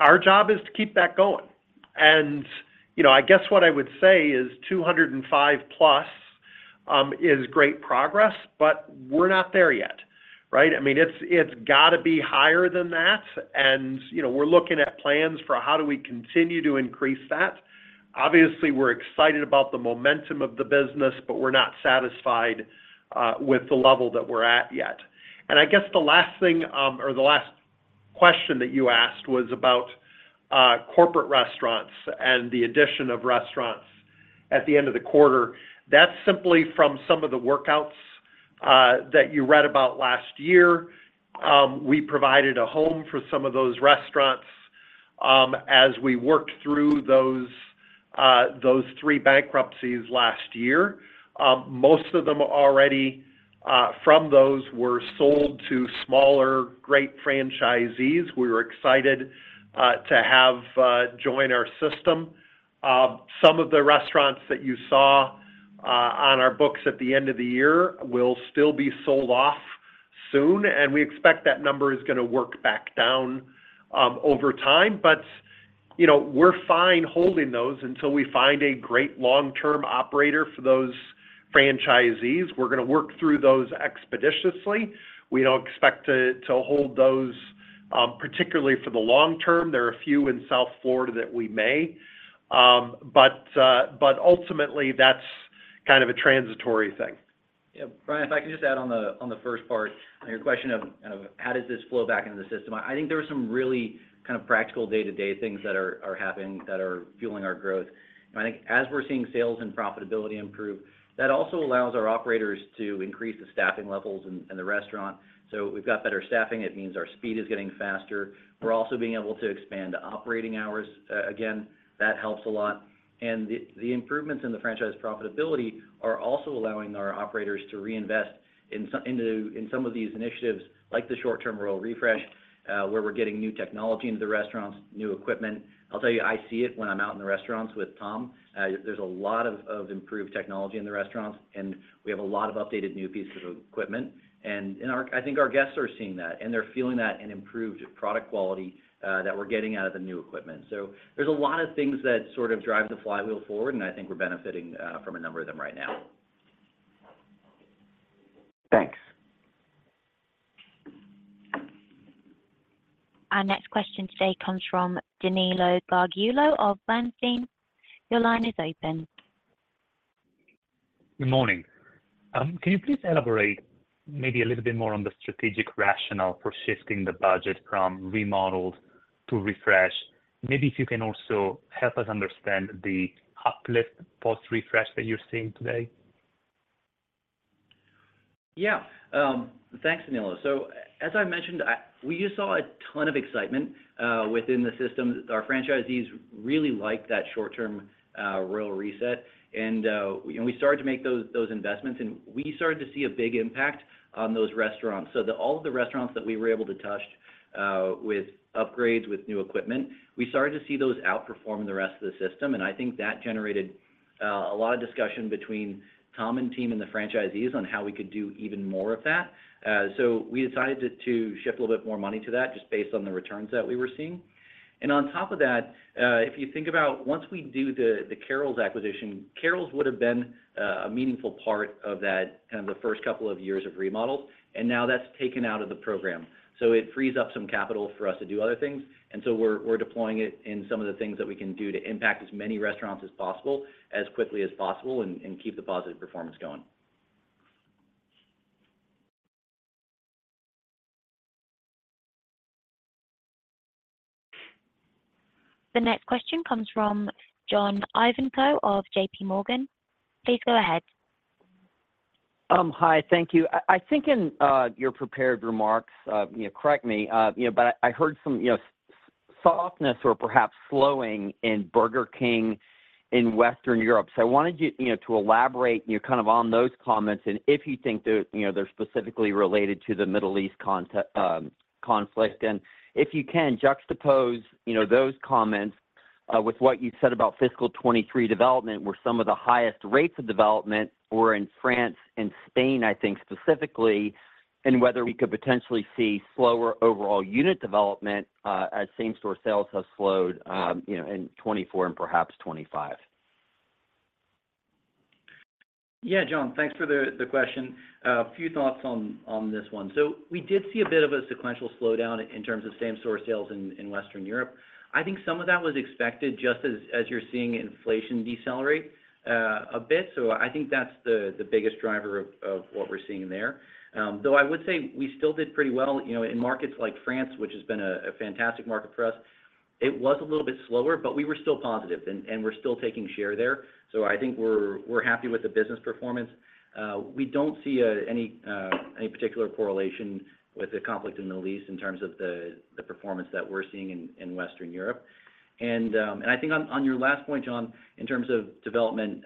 Our job is to keep that going. And, you know, I guess what I would say is 205+, is great progress, but we're not there yet, right? I mean, it's got to be higher than that, and you know, we're looking at plans for how do we continue to increase that. Obviously, we're excited about the momentum of the business, but we're not satisfied with the level that we're at yet. I guess the last thing, or the last question that you asked was about corporate restaurants and the addition of restaurants at the end of the quarter. That's simply from some of the workouts that you read about last year. We provided a home for some of those restaurants as we worked through those three bankruptcies last year. Most of them already from those were sold to smaller, great franchisees. We were excited to have join our system. Some of the restaurants that you saw on our books at the end of the year will still be sold off soon, and we expect that number is going to work back down over time. But, you know, we're fine holding those until we find a great long-term operator for those franchisees. We're going to work through those expeditiously. We don't expect to hold those particularly for the long term. There are a few in South Florida that we may, but ultimately, that's kind of a transitory thing. Yeah. Brian, if I can just add on the first part, on your question of how does this flow back into the system? I think there are some really kind of practical day-to-day things that are happening, that are fueling our growth. And I think as we're seeing sales and profitability improve, that also allows our operators to increase the staffing levels in the restaurant. So we've got better staffing. It means our speed is getting faster. We're also being able to expand operating hours. Again, that helps a lot. And the improvements in the franchise profitability are also allowing our operators to reinvest in some of these initiatives, like the short-term Royal Refresh, where we're getting new technology into the restaurants, new equipment. I'll tell you, I see it when I'm out in the restaurants with Tom. There's a lot of improved technology in the restaurants, and we have a lot of updated new pieces of equipment. I think our guests are seeing that, and they're feeling that in improved product quality that we're getting out of the new equipment. So there's a lot of things that sort of drive the flywheel forward, and I think we're benefiting from a number of them right now. Our next question today comes from Danilo Gargiulo of Bernstein. Your line is open. Good morning. Can you please elaborate maybe a little bit more on the strategic rationale for shifting the budget from remodeled to refresh? Maybe if you can also help us understand the uplift post-refresh that you're seeing today. Yeah. Thanks, Danilo. So as I mentioned, we just saw a ton of excitement within the system. Our franchisees really like that short-term Royal Reset. And we started to make those investments, and we started to see a big impact on those restaurants. So all of the restaurants that we were able to touch with upgrades, with new equipment, we started to see those outperform the rest of the system, and I think that generated a lot of discussion between Tom and team and the franchisees on how we could do even more of that. So we decided to shift a little bit more money to that, just based on the returns that we were seeing. On top of that, if you think about once we do the, the Carrols acquisition, Carrols would have been a meaningful part of that, kind of the first couple of years of remodel, and now that's taken out of the program. It frees up some capital for us to do other things, and so we're, we're deploying it in some of the things that we can do to impact as many restaurants as possible, as quickly as possible, and keep the positive performance going. The next question comes from John Ivankoe of JPMorgan. Please go ahead. Hi. Thank you. I think in your prepared remarks, you know, correct me, you know, but I heard some, you know, softness or perhaps slowing Burger King in Western Europe. So I wanted you, you know, to elaborate, you know, kind of on those comments, and if you think they're, you know, they're specifically related to the Middle East conflict. And if you can, juxtapose, you know, those comments with what you said about fiscal 2023 development, where some of the highest rates of development were in France and Spain, I think specifically, and whether we could potentially see slower overall unit development as same-store sales have slowed, you know, in 2024 and perhaps 2025. Yeah, John, thanks for the question. A few thoughts on this one. So we did see a bit of a sequential slowdown in terms of same-store sales in Western Europe. I think some of that was expected just as you're seeing inflation decelerate a bit. So I think that's the biggest driver of what we're seeing there. Though I would say we still did pretty well, you know, in markets like France, which has been a fantastic market for us. It was a little bit slower, but we were still positive, and we're still taking share there. So I think we're happy with the business performance. We don't see any particular correlation with the conflict in the Middle East in terms of the performance that we're seeing in Western Europe. I think on your last point, John, in terms of development,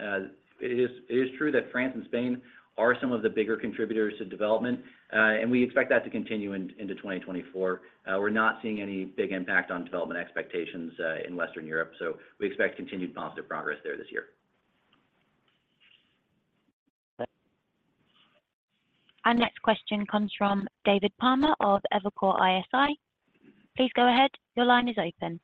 it is true that France and Spain are some of the bigger contributors to development, and we expect that to continue into 2024. We're not seeing any big impact on development expectations in Western Europe, so we expect continued positive progress there this year. Our next question comes from David Palmer of Evercore ISI. Please go ahead. Your line is open.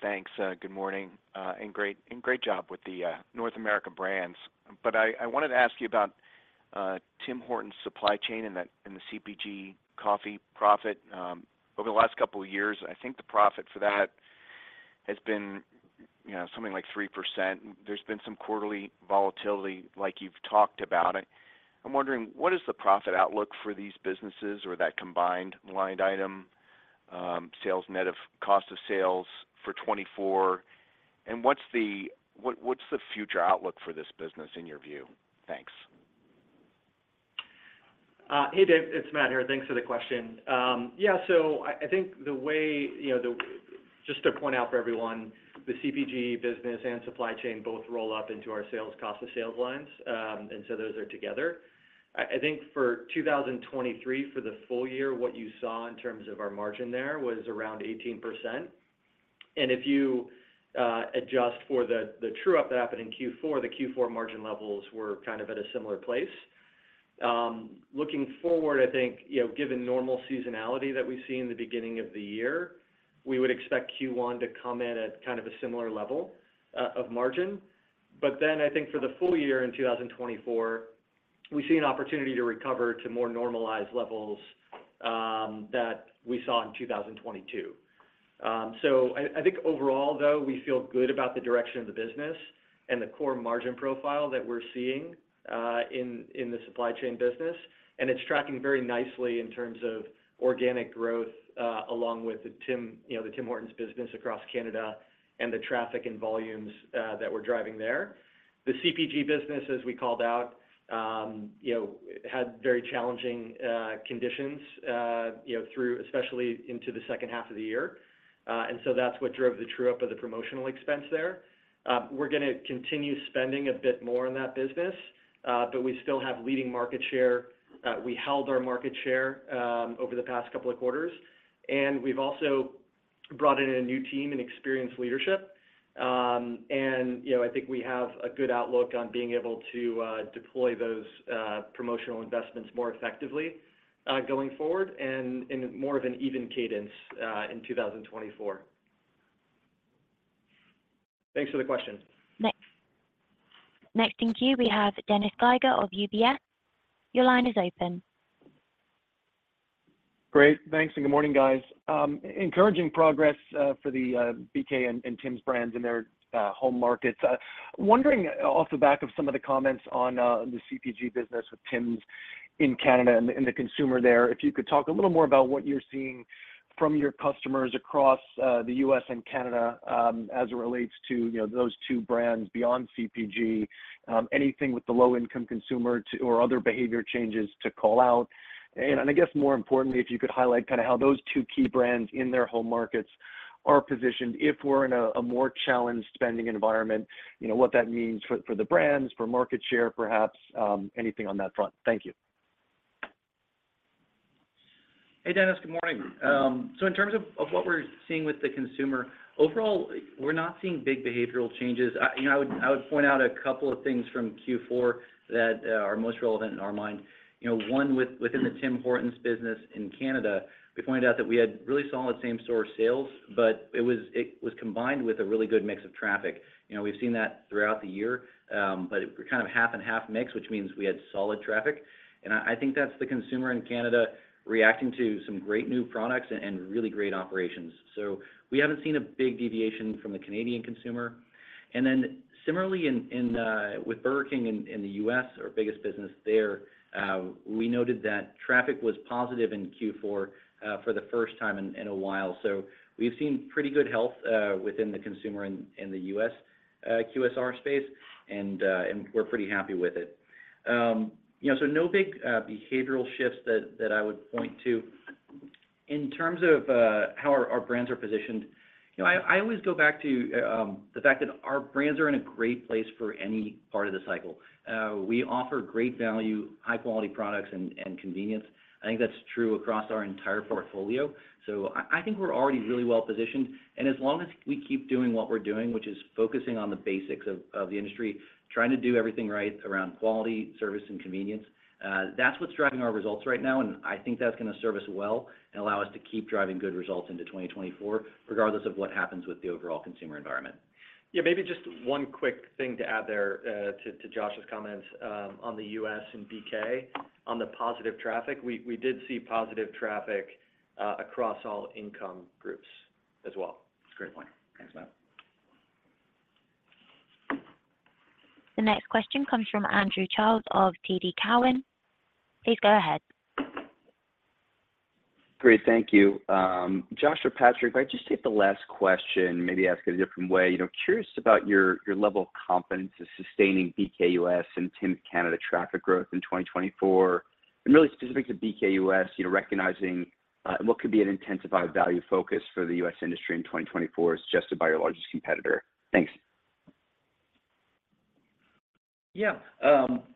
Thanks. Good morning, and great, and great job with the North America brands. But I wanted to ask you Tim Hortons supply chain and the CPG coffee profit. Over the last couple of years, I think the profit for that has been, you know, something like 3%. There's been some quarterly volatility, like you've talked about it. I'm wondering, what is the profit outlook for these businesses or that combined line item, sales net of cost of sales for 2024? And what's the future outlook for this business, in your view? Thanks. Hey, Dave, it's Matt here. Thanks for the question. Yeah, so I think the way, you know, just to point out for everyone, the CPG business and supply chain both roll up into our sales, cost of sales lines, and so those are together. I think for 2023, for the full year, what you saw in terms of our margin there, was around 18%. If you adjust for the true-up that happened in Q4, the Q4 margin levels were kind of at a similar place. Looking forward, I think, you know, given normal seasonality that we see in the beginning of the year, we would expect Q1 to come in at kind of a similar level of margin. But then I think for the full year in 2024, we see an opportunity to recover to more normalized levels that we saw in 2022. So I think overall, though, we feel good about the direction of the business and the core margin profile that we're seeing in the supply chain business. And it's tracking very nicely in terms of organic growth along with Tim Hortons business across Canada and the traffic and volumes that we're driving there. The CPG business, as we called out, you know, had very challenging conditions you know through, especially into the second half of the year. And so that's what drove the true up of the promotional expense there. We're gonna continue spending a bit more on that business, but we still have leading market share. We held our market share over the past couple of quarters, and we've also brought in a new team and experienced leadership. And, you know, I think we have a good outlook on being able to deploy those promotional investments more effectively, going forward, and in more of an even cadence, in 2024. Thanks for the question. Next, next in queue, we have Dennis Geiger of UBS. Your line is open. Great. Thanks, and good morning, guys. Encouraging progress for the BK and Tim's brands in their home markets. Wondering off the back of some of the comments on the CPG business with Tim's in Canada and the consumer there, if you could talk a little more about what you're seeing from your customers across the U.S. and Canada, as it relates to, you know, those two brands beyond CPG, anything with the low-income consumer to or other behavior changes to call out. And I guess more importantly, if you could highlight kind of how those two key brands in their home markets are positioned, if we're in a more challenged spending environment, you know, what that means for the brands, for market share, perhaps, anything on that front. Thank you. Hey, Dennis, good morning. So in terms of of what we're seeing with the consumer, overall, we're not seeing big behavioral changes. You know, I would point out a couple of things from Q4 that are most relevant in our mind. You know, one, within Tim Hortons business in Canada, we pointed out that we had really solid same-store sales, but it was combined with a really good mix of traffic. You know, we've seen that throughout the year, but it was kind of half-and-half mix, which means we had solid traffic. And I think that's the consumer in Canada reacting to some great new products and really great operations. So we haven't seen a big deviation from the Canadian consumer. And then similarly, in Burger King in the U.S., our biggest business there, we noted that traffic was positive in Q4, for the first time in a while. So we've seen pretty good health within the consumer in the U.S. QSR space, and we're pretty happy with it. You know, so no big behavioral shifts that I would point to. In terms of how our brands are positioned, you know, I always go back to the fact that our brands are in a great place for any part of the cycle. We offer great value, high-quality products, and convenience. I think that's true across our entire portfolio. So I think we're already really well positioned, and as long as we keep doing what we're doing, which is focusing on the basics of the industry, trying to do everything right around quality, service, and convenience, that's what's driving our results right now, and I think that's gonna serve us well and allow us to keep driving good results into 2024, regardless of what happens with the overall consumer environment. Yeah, maybe just one quick thing to add there, to Josh's comments, on the U.S. and BK. On the positive traffic, we did see positive traffic, across all income groups as well. That's a great point. Thanks, Matt. The next question comes from Andrew Charles of TD Cowen. Please go ahead. Great. Thank you. Josh or Patrick, if I could just take the last question, maybe ask it a different way. You know, curious about your, your level of confidence in sustaining BK U.S. and Tim Canada traffic growth in 2024, and really specific to BK U.S., you know, recognizing, what could be an intensified value focus for the U.S. industry in 2024 as adjusted by your largest competitor. Thanks. Yeah.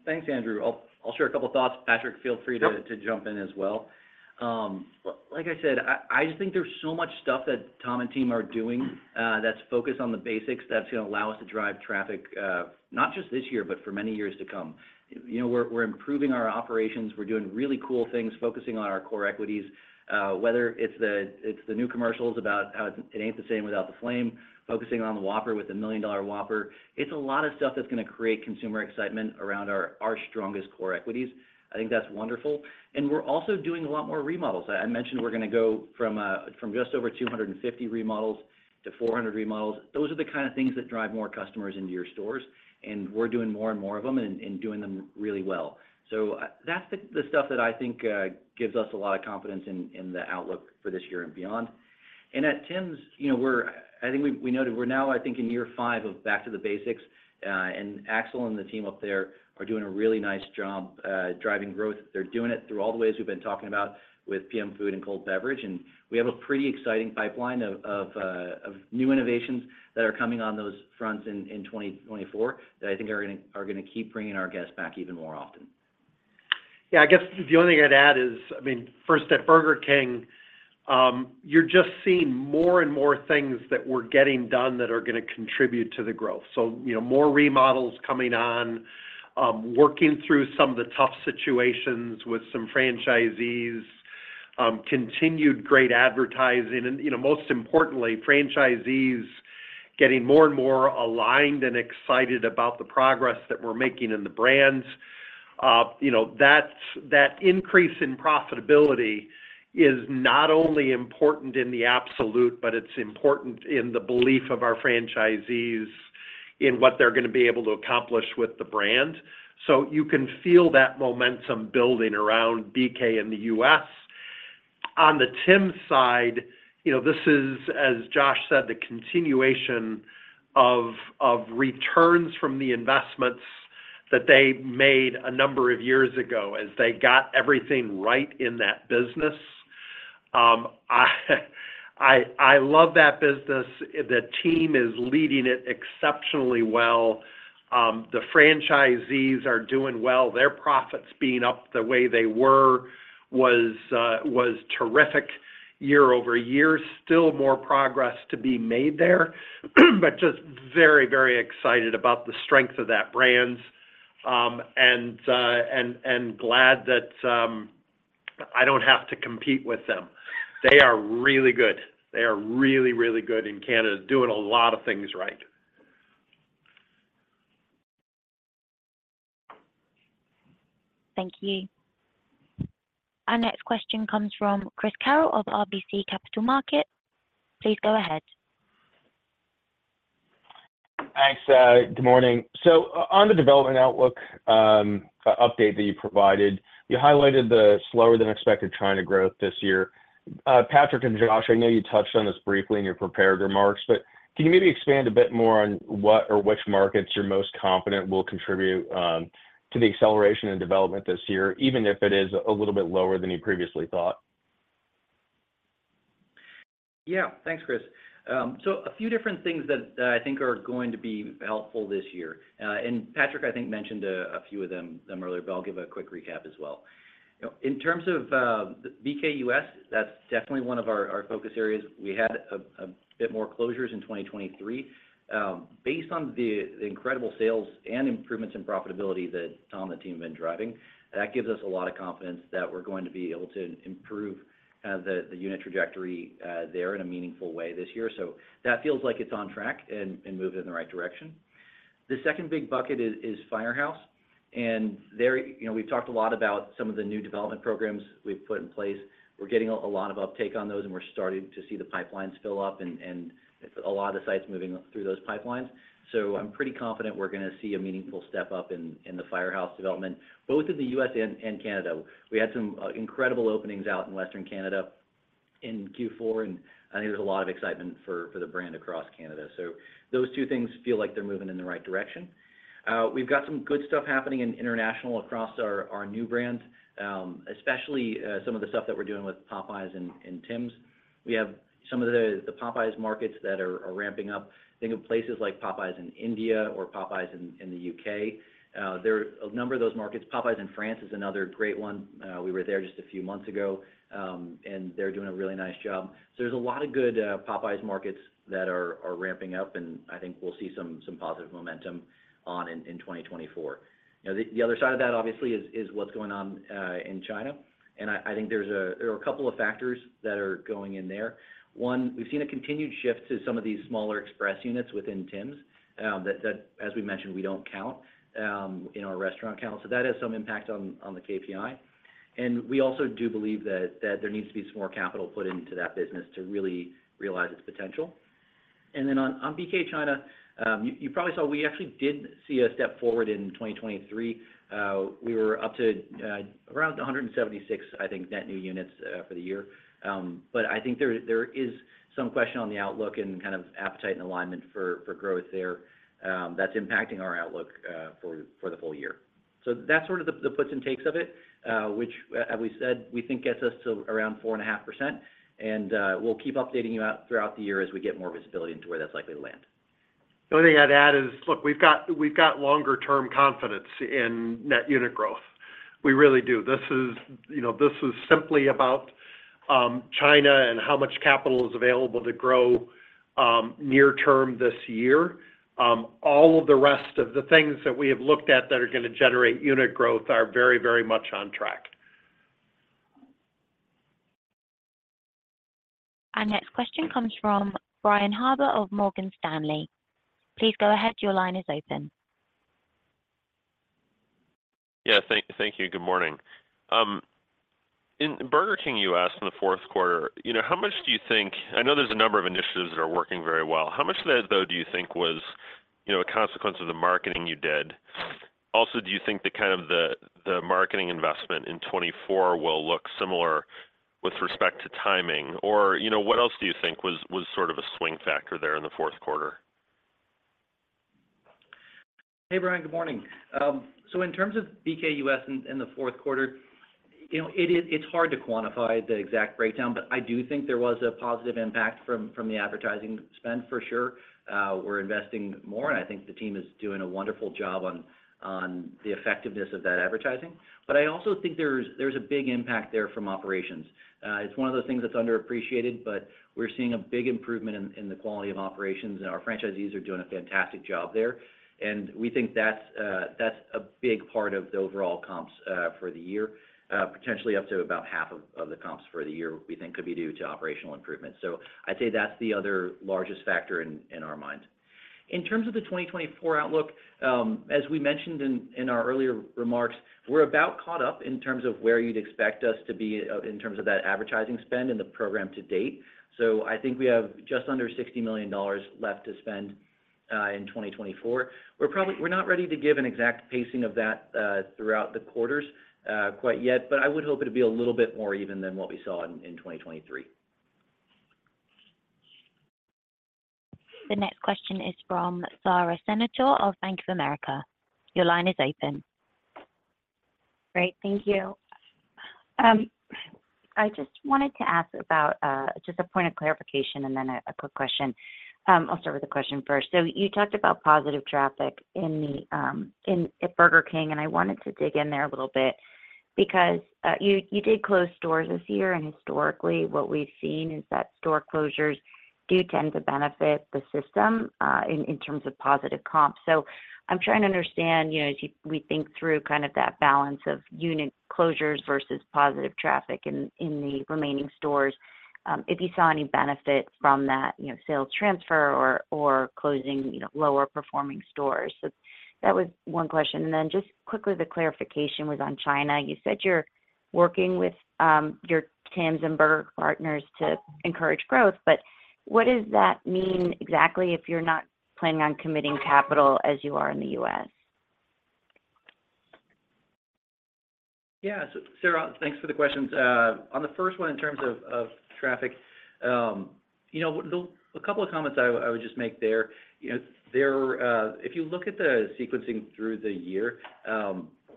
Thanks, Andrew. I'll share a couple of thoughts. Patrick, feel free to- Sure... to jump in as well. Like I said, I just think there's so much stuff that Tom and team are doing, that's focused on the basics, that's gonna allow us to drive traffic, not just this year, but for many years to come. You know, we're improving our operations. We're doing really cool things, focusing on our core equities, whether it's the new commercials about how it ain't the same without the flame, focusing on the Whopper with the Million Dollar Whopper. It's a lot of stuff that's gonna create consumer excitement around our strongest core equities. I think that's wonderful. And we're also doing a lot more remodels. I mentioned we're gonna go from just over 250 remodels to 400 remodels. Those are the kind of things that drive more customers into your stores, and we're doing more and more of them and doing them really well. So, that's the stuff that I think gives us a lot of confidence in the outlook for this year and beyond. And at Tim's, you know, I think we noted we're now, I think, in year five of back to the basics, and Axel and the team up there are doing a really nice job driving growth. They're doing it through all the ways we've been talking about with PM food and cold beverage, and we have a pretty exciting pipeline of new innovations that are coming on those fronts in 2024, that I think are gonna keep bringing our guests back even more often. Yeah, I guess the only thing I'd add is, I mean, first, Burger King, you're just seeing more and more things that we're getting done that are gonna contribute to the growth. So, you know, more remodels coming on, working through some of the tough situations with some franchisees, continued great advertising, and, you know, most importantly, franchisees getting more and more aligned and excited about the progress that we're making in the brands. You know, that's. That increase in profitability is not only important in the absolute, but it's important in the belief of our franchisees in what they're gonna be able to accomplish with the brand. So you can feel that momentum building around BK in the U.S. On the Tim's side, you know, this is, as Josh said, the continuation of returns from the investments that they made a number of years ago, as they got everything right in that business. I love that business. The team is leading it exceptionally well. The franchisees are doing well. Their profits being up the way they were, was terrific year-over-year. Still more progress to be made there, but just very, very excited about the strength of that brand, and glad that. But I don't have to compete with them. They are really good. They are really, really good, and Canada's doing a lot of things right. Thank you. Our next question comes from Chris Carril of RBC Capital Markets. Please go ahead. Thanks, good morning. So on the development outlook update that you provided, you highlighted the slower than expected China growth this year. Patrick and Josh, I know you touched on this briefly in your prepared remarks, but can you maybe expand a bit more on what or which markets you're most confident will contribute to the acceleration and development this year, even if it is a little bit lower than you previously thought? Yeah. Thanks, Chris. So a few different things that I think are going to be helpful this year. And Patrick, I think, mentioned a few of them earlier, but I'll give a quick recap as well. You know, in terms of BK U.S., that's definitely one of our focus areas. We had a bit more closures in 2023. Based on the incredible sales and improvements in profitability that Tom and the team have been driving, that gives us a lot of confidence that we're going to be able to improve the unit trajectory there in a meaningful way this year. So that feels like it's on track and moving in the right direction. The second big bucket is Firehouse, and there, you know, we've talked a lot about some of the new development programs we've put in place. We're getting a lot of uptake on those, and we're starting to see the pipelines fill up and a lot of the sites moving through those pipelines. So I'm pretty confident we're gonna see a meaningful step up in the Firehouse development, both in the U.S. and Canada. We had some incredible openings out in Western Canada in Q4, and I think there's a lot of excitement for the brand across Canada. So those two things feel like they're moving in the right direction. We've got some good stuff happening in international across our new brands, especially some of the stuff that we're doing with Popeyes and Tims. We have some of the Popeyes markets that are ramping up. Think of places like Popeyes in India or Popeyes in the U.K. There are a number of those markets. Popeyes in France is another great one. We were there just a few months ago, and they're doing a really nice job. So there's a lot of good Popeyes markets that are ramping up, and I think we'll see some positive momentum in 2024. Now, the other side of that, obviously, is what's going on in China, and I think there are a couple of factors that are going in there. One, we've seen a continued shift to some of these smaller express units within Tims that, as we mentioned, we don't count in our restaurant count. That has some impact on the KPI. We also do believe that there needs to be some more capital put into that business to really realize its potential. Then on BK China, you probably saw we actually did see a step forward in 2023. We were up to around 176, I think, net new units for the year. But I think there is some question on the outlook and kind of appetite and alignment for growth there, that's impacting our outlook for the full year. So that's sort of the puts and takes of it, which, as we said, we think gets us to around 4.5%, and we'll keep updating you throughout the year as we get more visibility into where that's likely to land. The only thing I'd add is, look, we've got, we've got longer term confidence in net unit growth. We really do. This is, you know, this is simply about China and how much capital is available to grow near term this year. All of the rest of the things that we have looked at that are gonna generate unit growth are very, very much on track. Our next question comes from Brian Harbour of Morgan Stanley. Please go ahead. Your line is open. Yeah, thank you. Good morning. Burger King U.S., in the fourth quarter, you know, how much do you think... I know there's a number of initiatives that are working very well. How much of that, though, do you think was, you know, a consequence of the marketing you did? Also, do you think the kind of the marketing investment in 2024 will look similar with respect to timing? Or, you know, what else do you think was sort of a swing factor there in the fourth quarter? Hey, Brian, good morning. So in terms of BK U.S. in the fourth quarter, you know, it's hard to quantify the exact breakdown, but I do think there was a positive impact from the advertising spend, for sure. We're investing more, and I think the team is doing a wonderful job on the effectiveness of that advertising. But I also think there's a big impact there from operations. It's one of those things that's underappreciated, but we're seeing a big improvement in the quality of operations, and our franchisees are doing a fantastic job there. And we think that's a big part of the overall comps for the year. Potentially up to about half of the comps for the year, we think could be due to operational improvements. So I'd say that's the other largest factor in, in our minds. In terms of the 2024 outlook, as we mentioned in, in our earlier remarks, we're about caught up in terms of where you'd expect us to be, in terms of that advertising spend and the program to date. So I think we have just under $60 million left to spend, in 2024. We're probably- we're not ready to give an exact pacing of that, throughout the quarters, quite yet, but I would hope it'd be a little bit more even than what we saw in, in 2023. The next question is from Sara Senatore of Bank of America. Your line is open. Great. Thank you. I just wanted to ask about just a point of clarification and then a quick question. I'll start with the question first. So you talked about positive traffic in Burger King, and I wanted to dig in there a little bit, because you, you did close stores this year, and historically, what we've seen is that store closures do tend to benefit the system in terms of positive comp. So I'm trying to understand, you know, as you—we think through kind of that balance of unit closures versus positive traffic in the remaining stores, if you saw any benefit from that, you know, sales transfer or closing, you know, lower performing stores. So that was one question. And then just quickly, the clarification was on China. You said you're working with your Tims and Burger partners to encourage growth, but what does that mean exactly if you're not planning on committing capital as you are in the U.S.? Yeah. So Sara, thanks for the questions. On the first one, in terms of traffic, you know, a couple of comments I would just make there. You know, there, if you look at the sequencing through the year,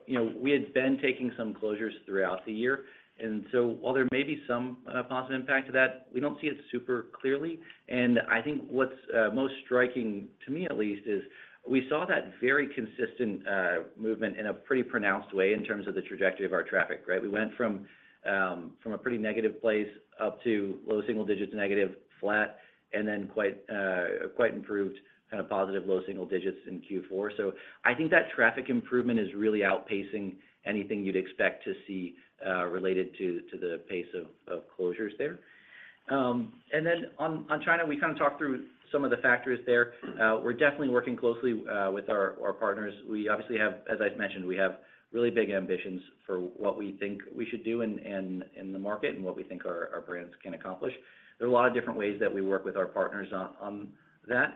you know, we had been taking some closures throughout the year, and so while there may be some positive impact to that, we don't see it super clearly. And I think what's most striking, to me at least, is we saw that very consistent movement in a pretty pronounced way in terms of the trajectory of our traffic, right? We went from a pretty negative place up to low single digits, negative, flat, and then quite improved, kind of positive low single digits in Q4. So I think that traffic improvement is really outpacing anything you'd expect to see, related to the pace of closures there. And then on China, we kind of talked through some of the factors there. We're definitely working closely with our partners. We obviously have... As I've mentioned, we have really big ambitions for what we think we should do in the market and what we think our brands can accomplish. There are a lot of different ways that we work with our partners on that,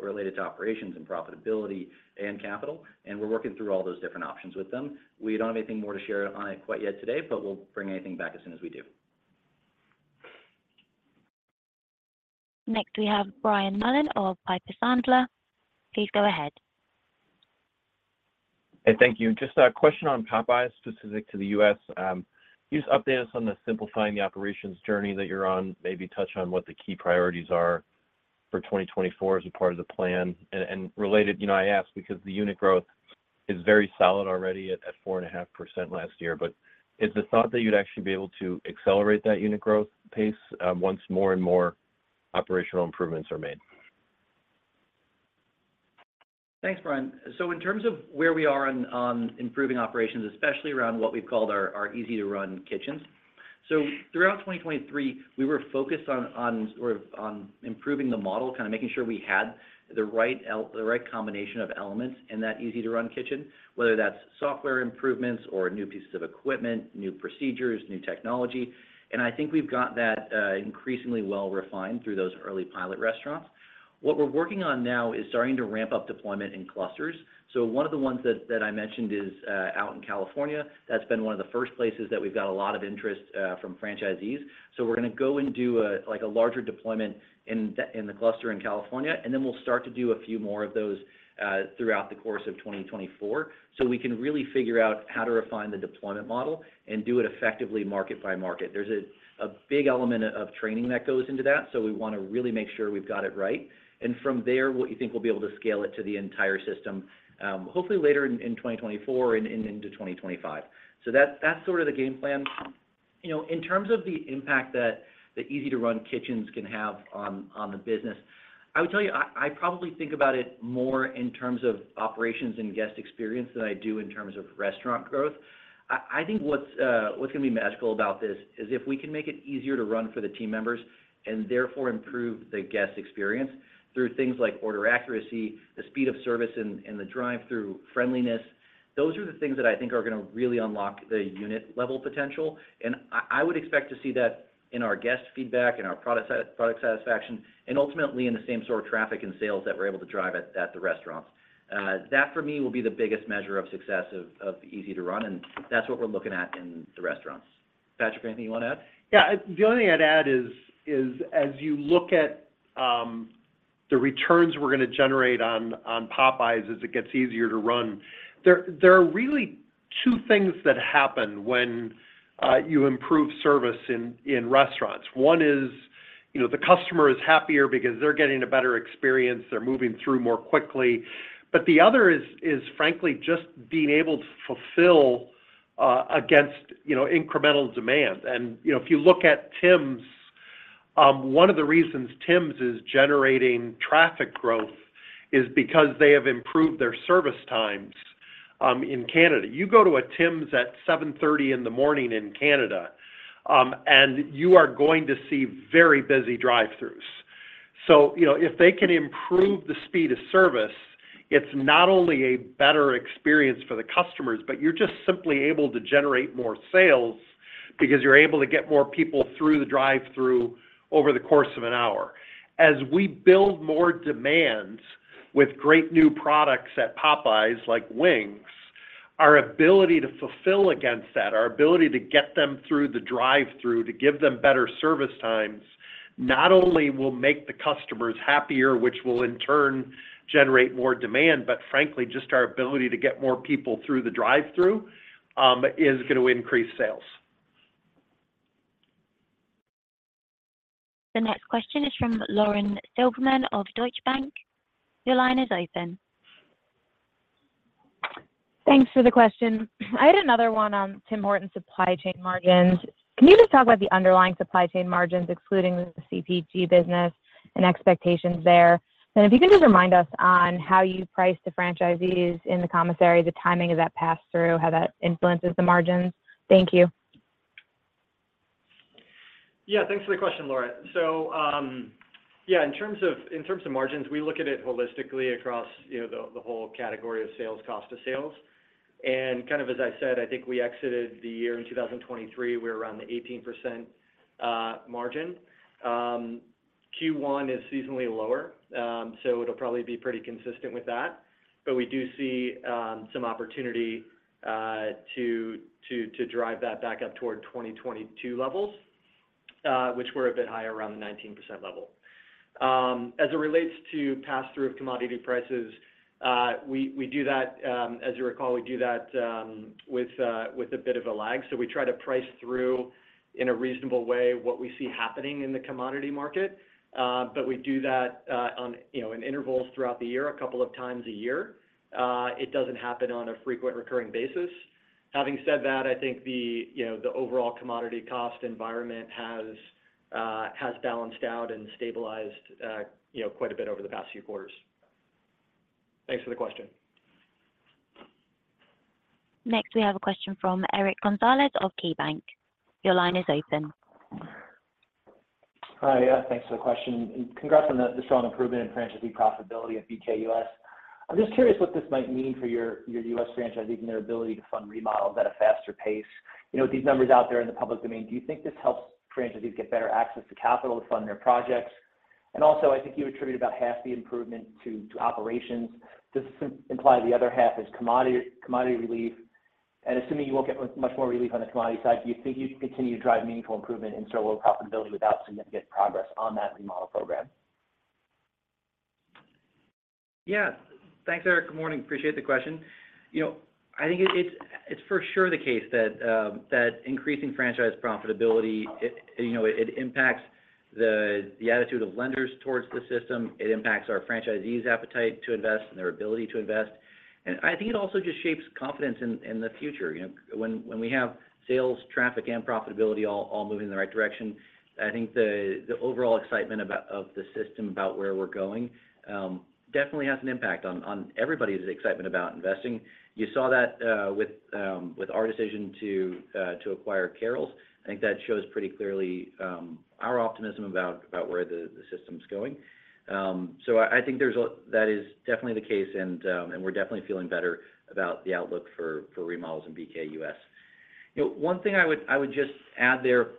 related to operations and profitability and capital, and we're working through all those different options with them. We don't have anything more to share on it quite yet today, but we'll bring anything back as soon as we do. Next, we have Brian Mullan of Piper Sandler. Please go ahead. Hey, thank you. Just a question on Popeyes, specific to the U.S. Can you just update us on the simplifying the operations journey that you're on? Maybe touch on what the key priorities are for 2024 as a part of the plan. And, and related, you know, I ask because the unit growth is very solid already at four and a half percent last year, but is the thought that you'd actually be able to accelerate that unit growth pace once more and more operational improvements are made? Thanks, Brian. So in terms of where we are on improving operations, especially around what we've called our Easy to Run kitchens. So throughout 2023, we were focused on sort of improving the model, kind of making sure we had the right combination of elements in that Easy to Run kitchen, whether that's software improvements or new pieces of equipment, new procedures, new technology. And I think we've got that increasingly well refined through those early pilot restaurants. What we're working on now is starting to ramp up deployment in clusters. So one of the ones that I mentioned is out in California. That's been one of the first places that we've got a lot of interest from franchisees. So we're gonna go and do a, like, a larger deployment in the, in the cluster in California, and then we'll start to do a few more of those throughout the course of 2024. So we can really figure out how to refine the deployment model and do it effectively market by market. There's a, a big element of training that goes into that, so we wanna really make sure we've got it right. And from there, we think we'll be able to scale it to the entire system, hopefully later in 2024 and into 2025. So that's sort of the game plan. You know, in terms of the impact that the Easy to Run kitchens can have on the business, I would tell you, I probably think about it more in terms of operations and guest experience than I do in terms of restaurant growth. I think what's gonna be magical about this is if we can make it easier to run for the team members, and therefore improve the guest experience through things like order accuracy, the speed of service in the drive-thru, friendliness. Those are the things that I think are gonna really unlock the unit-level potential, and I would expect to see that in our guest feedback and our product satisfaction, and ultimately in the same sort of traffic and sales that we're able to drive at the restaurants. That, for me, will be the biggest measure of success of the Easy to Run, and that's what we're looking at in the restaurants. Patrick, anything you want to add? Yeah. The only thing I'd add is, is as you look at, the returns we're gonna generate on, on Popeyes as it gets easier to run, there, there are really two things that happen when, you improve service in, in restaurants. One is, you know, the customer is happier because they're getting a better experience, they're moving through more quickly. But the other is, is frankly, just being able to fulfill, against, you know, incremental demand. And you know, if you look at Tims, one of the reasons Tims is generating traffic growth is because they have improved their service times, in Canada. You go to a Tims at 7:30 A.M. in Canada, and you are going to see very busy drive-thrus. So, you know, if they can improve the speed of service, it's not only a better experience for the customers, but you're just simply able to generate more sales because you're able to get more people through the drive-thru over the course of an hour. As we build more demand with great new products at Popeyes, like wings, our ability to fulfill against that, our ability to get them through the drive-thru, to give them better service times, not only will make the customers happier, which will in turn generate more demand, but frankly, just our ability to get more people through the drive-thru, is gonna increase sales. The next question is from Lauren Silberman of Deutsche Bank. Your line is open. Thanks for the question. I had another one Tim Hortons supply chain margins. Can you just talk about the underlying supply chain margins, excluding the CPG business and expectations there? And if you can just remind us on how you price the franchisees in the commissary, the timing of that pass-through, how that influences the margins. Thank you. Yeah, thanks for the question, Lauren. So, yeah, in terms of, in terms of margins, we look at it holistically across, you know, the, the whole category of sales, cost of sales. And kind of, as I said, I think we exited the year in 2023, we're around the 18% margin. Q1 is seasonally lower, so it'll probably be pretty consistent with that. But we do see some opportunity to drive that back up toward 2022 levels, which were a bit higher, around the 19% level. As it relates to pass-through of commodity prices, we do that, as you recall, we do that with a bit of a lag. So we try to price through in a reasonable way what we see happening in the commodity market. But we do that on, you know, in intervals throughout the year, a couple of times a year. It doesn't happen on a frequent recurring basis. Having said that, I think the, you know, the overall commodity cost environment has balanced out and stabilized, you know, quite a bit over the past few quarters. Thanks for the question. Next, we have a question from Eric Gonzalez of KeyBanc. Your line is open. Hi, yeah, thanks for the question, and congrats on the strong improvement in franchisee profitability of BK U.S. I'm just curious what this might mean for your U.S. franchisees and their ability to fund remodels at a faster pace. You know, with these numbers out there in the public domain, do you think this helps franchisees get better access to capital to fund their projects? And also, I think you attributed about half the improvement to operations. This imply the other half is commodity relief. And assuming you won't get much more relief on the commodity side, do you think you continue to drive meaningful improvement in store level profitability without significant progress on that remodel program? Yeah. Thanks, Eric. Good morning. Appreciate the question. You know, I think it's for sure the case that increasing franchise profitability, you know, it impacts the attitude of lenders towards the system. It impacts our franchisees' appetite to invest and their ability to invest. And I think it also just shapes confidence in the future. You know, when we have sales, traffic, and profitability all moving in the right direction, I think the overall excitement about the system, about where we're going, definitely has an impact on everybody's excitement about investing. You saw that with our decision to acquire Carrols. I think that shows pretty clearly our optimism about where the system's going. So I think that is definitely the case, and we're definitely feeling better about the outlook for remodels in BK U.S. You know, one thing I would just add there,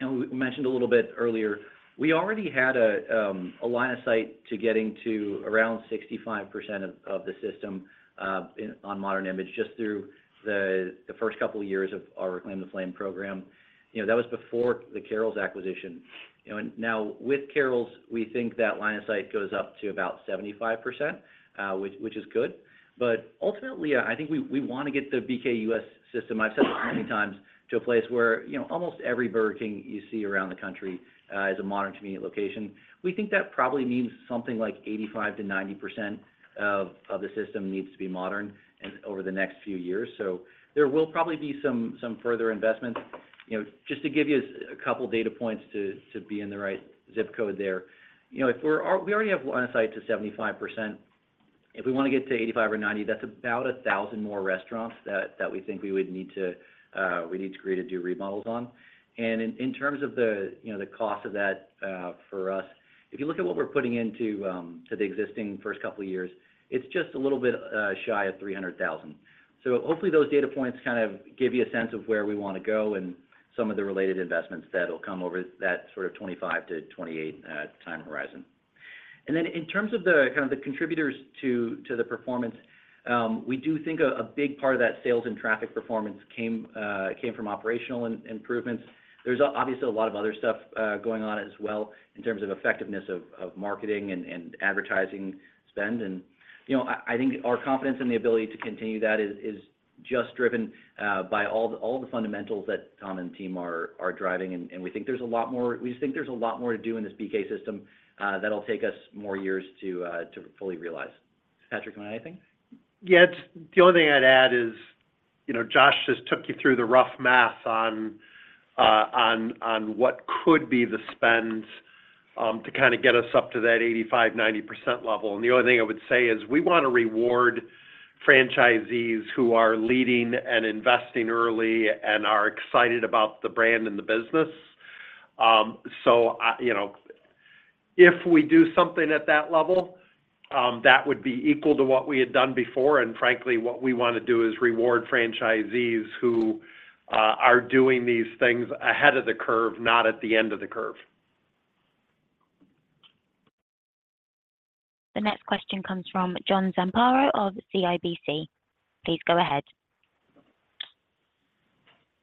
and we mentioned a little bit earlier, we already had a line of sight to getting to around 65% of the system on modern image, just through the first couple of years of our Reclaim the Flame program. You know, that was before the Carrols acquisition. You know, and now with Carrols, we think that line of sight goes up to about 75%, which is good. But ultimately, I think we wanna get the BK U.S. system. I've said this many times to a place where, you know, almost Burger King you see around the country is a modern community location. We think that probably means something like 85%-90% of the system needs to be modern and over the next few years. So there will probably be some further investments. You know, just to give you a couple data points to be in the right zip code there. You know, if we're, we already have line of sight to 75%. If we wanna get to 85% or 90%, that's about 1,000 more restaurants that we think we would need to create to do remodels on. In terms of the, you know, the cost of that, for us, if you look at what we're putting into to the existing first couple of years, it's just a little bit shy of $300,000. Hopefully, those data points kind of give you a sense of where we wanna go and some of the related investments that will come over that sort of 25-28 time horizon. Then in terms of the kind of the contributors to the performance, we do think a big part of that sales and traffic performance came from operational improvements. There's obviously a lot of other stuff going on as well in terms of effectiveness of marketing and advertising spend. You know, I think our confidence in the ability to continue that is just driven by all the fundamentals that Tom and team are driving, and we think there's a lot more—we just think there's a lot more to do in this BK system, that'll take us more years to fully realize. Patrick, anything? Yeah, the only thing I'd add is, you know, Josh just took you through the rough math on, on what could be the spend, to kinda get us up to that 85%-90% level. And the only thing I would say is we wanna reward franchisees who are leading and investing early and are excited about the brand and the business. So, you know, if we do something at that level, that would be equal to what we had done before. And frankly, what we wanna do is reward franchisees who are doing these things ahead of the curve, not at the end of the curve. The next question comes from John Zamparo of CIBC. Please go ahead.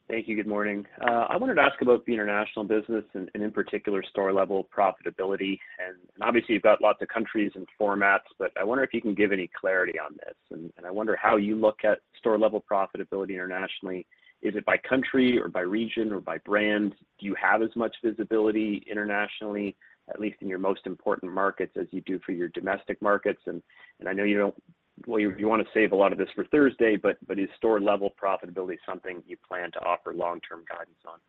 Thank you. Good morning. I wanted to ask about the international business, and, and in particular, store level profitability. And, and obviously, you've got lots of countries and formats, but I wonder if you can give any clarity on this. And, and I wonder how you look at store level profitability internationally. Is it by country, or by region, or by brand? Do you have as much visibility internationally, at least in your most important markets, as you do for your domestic markets? And, and I know you don't-- well, you, you wanna save a lot of this for Thursday, but, but is store level profitability something you plan to offer long-term guidance on?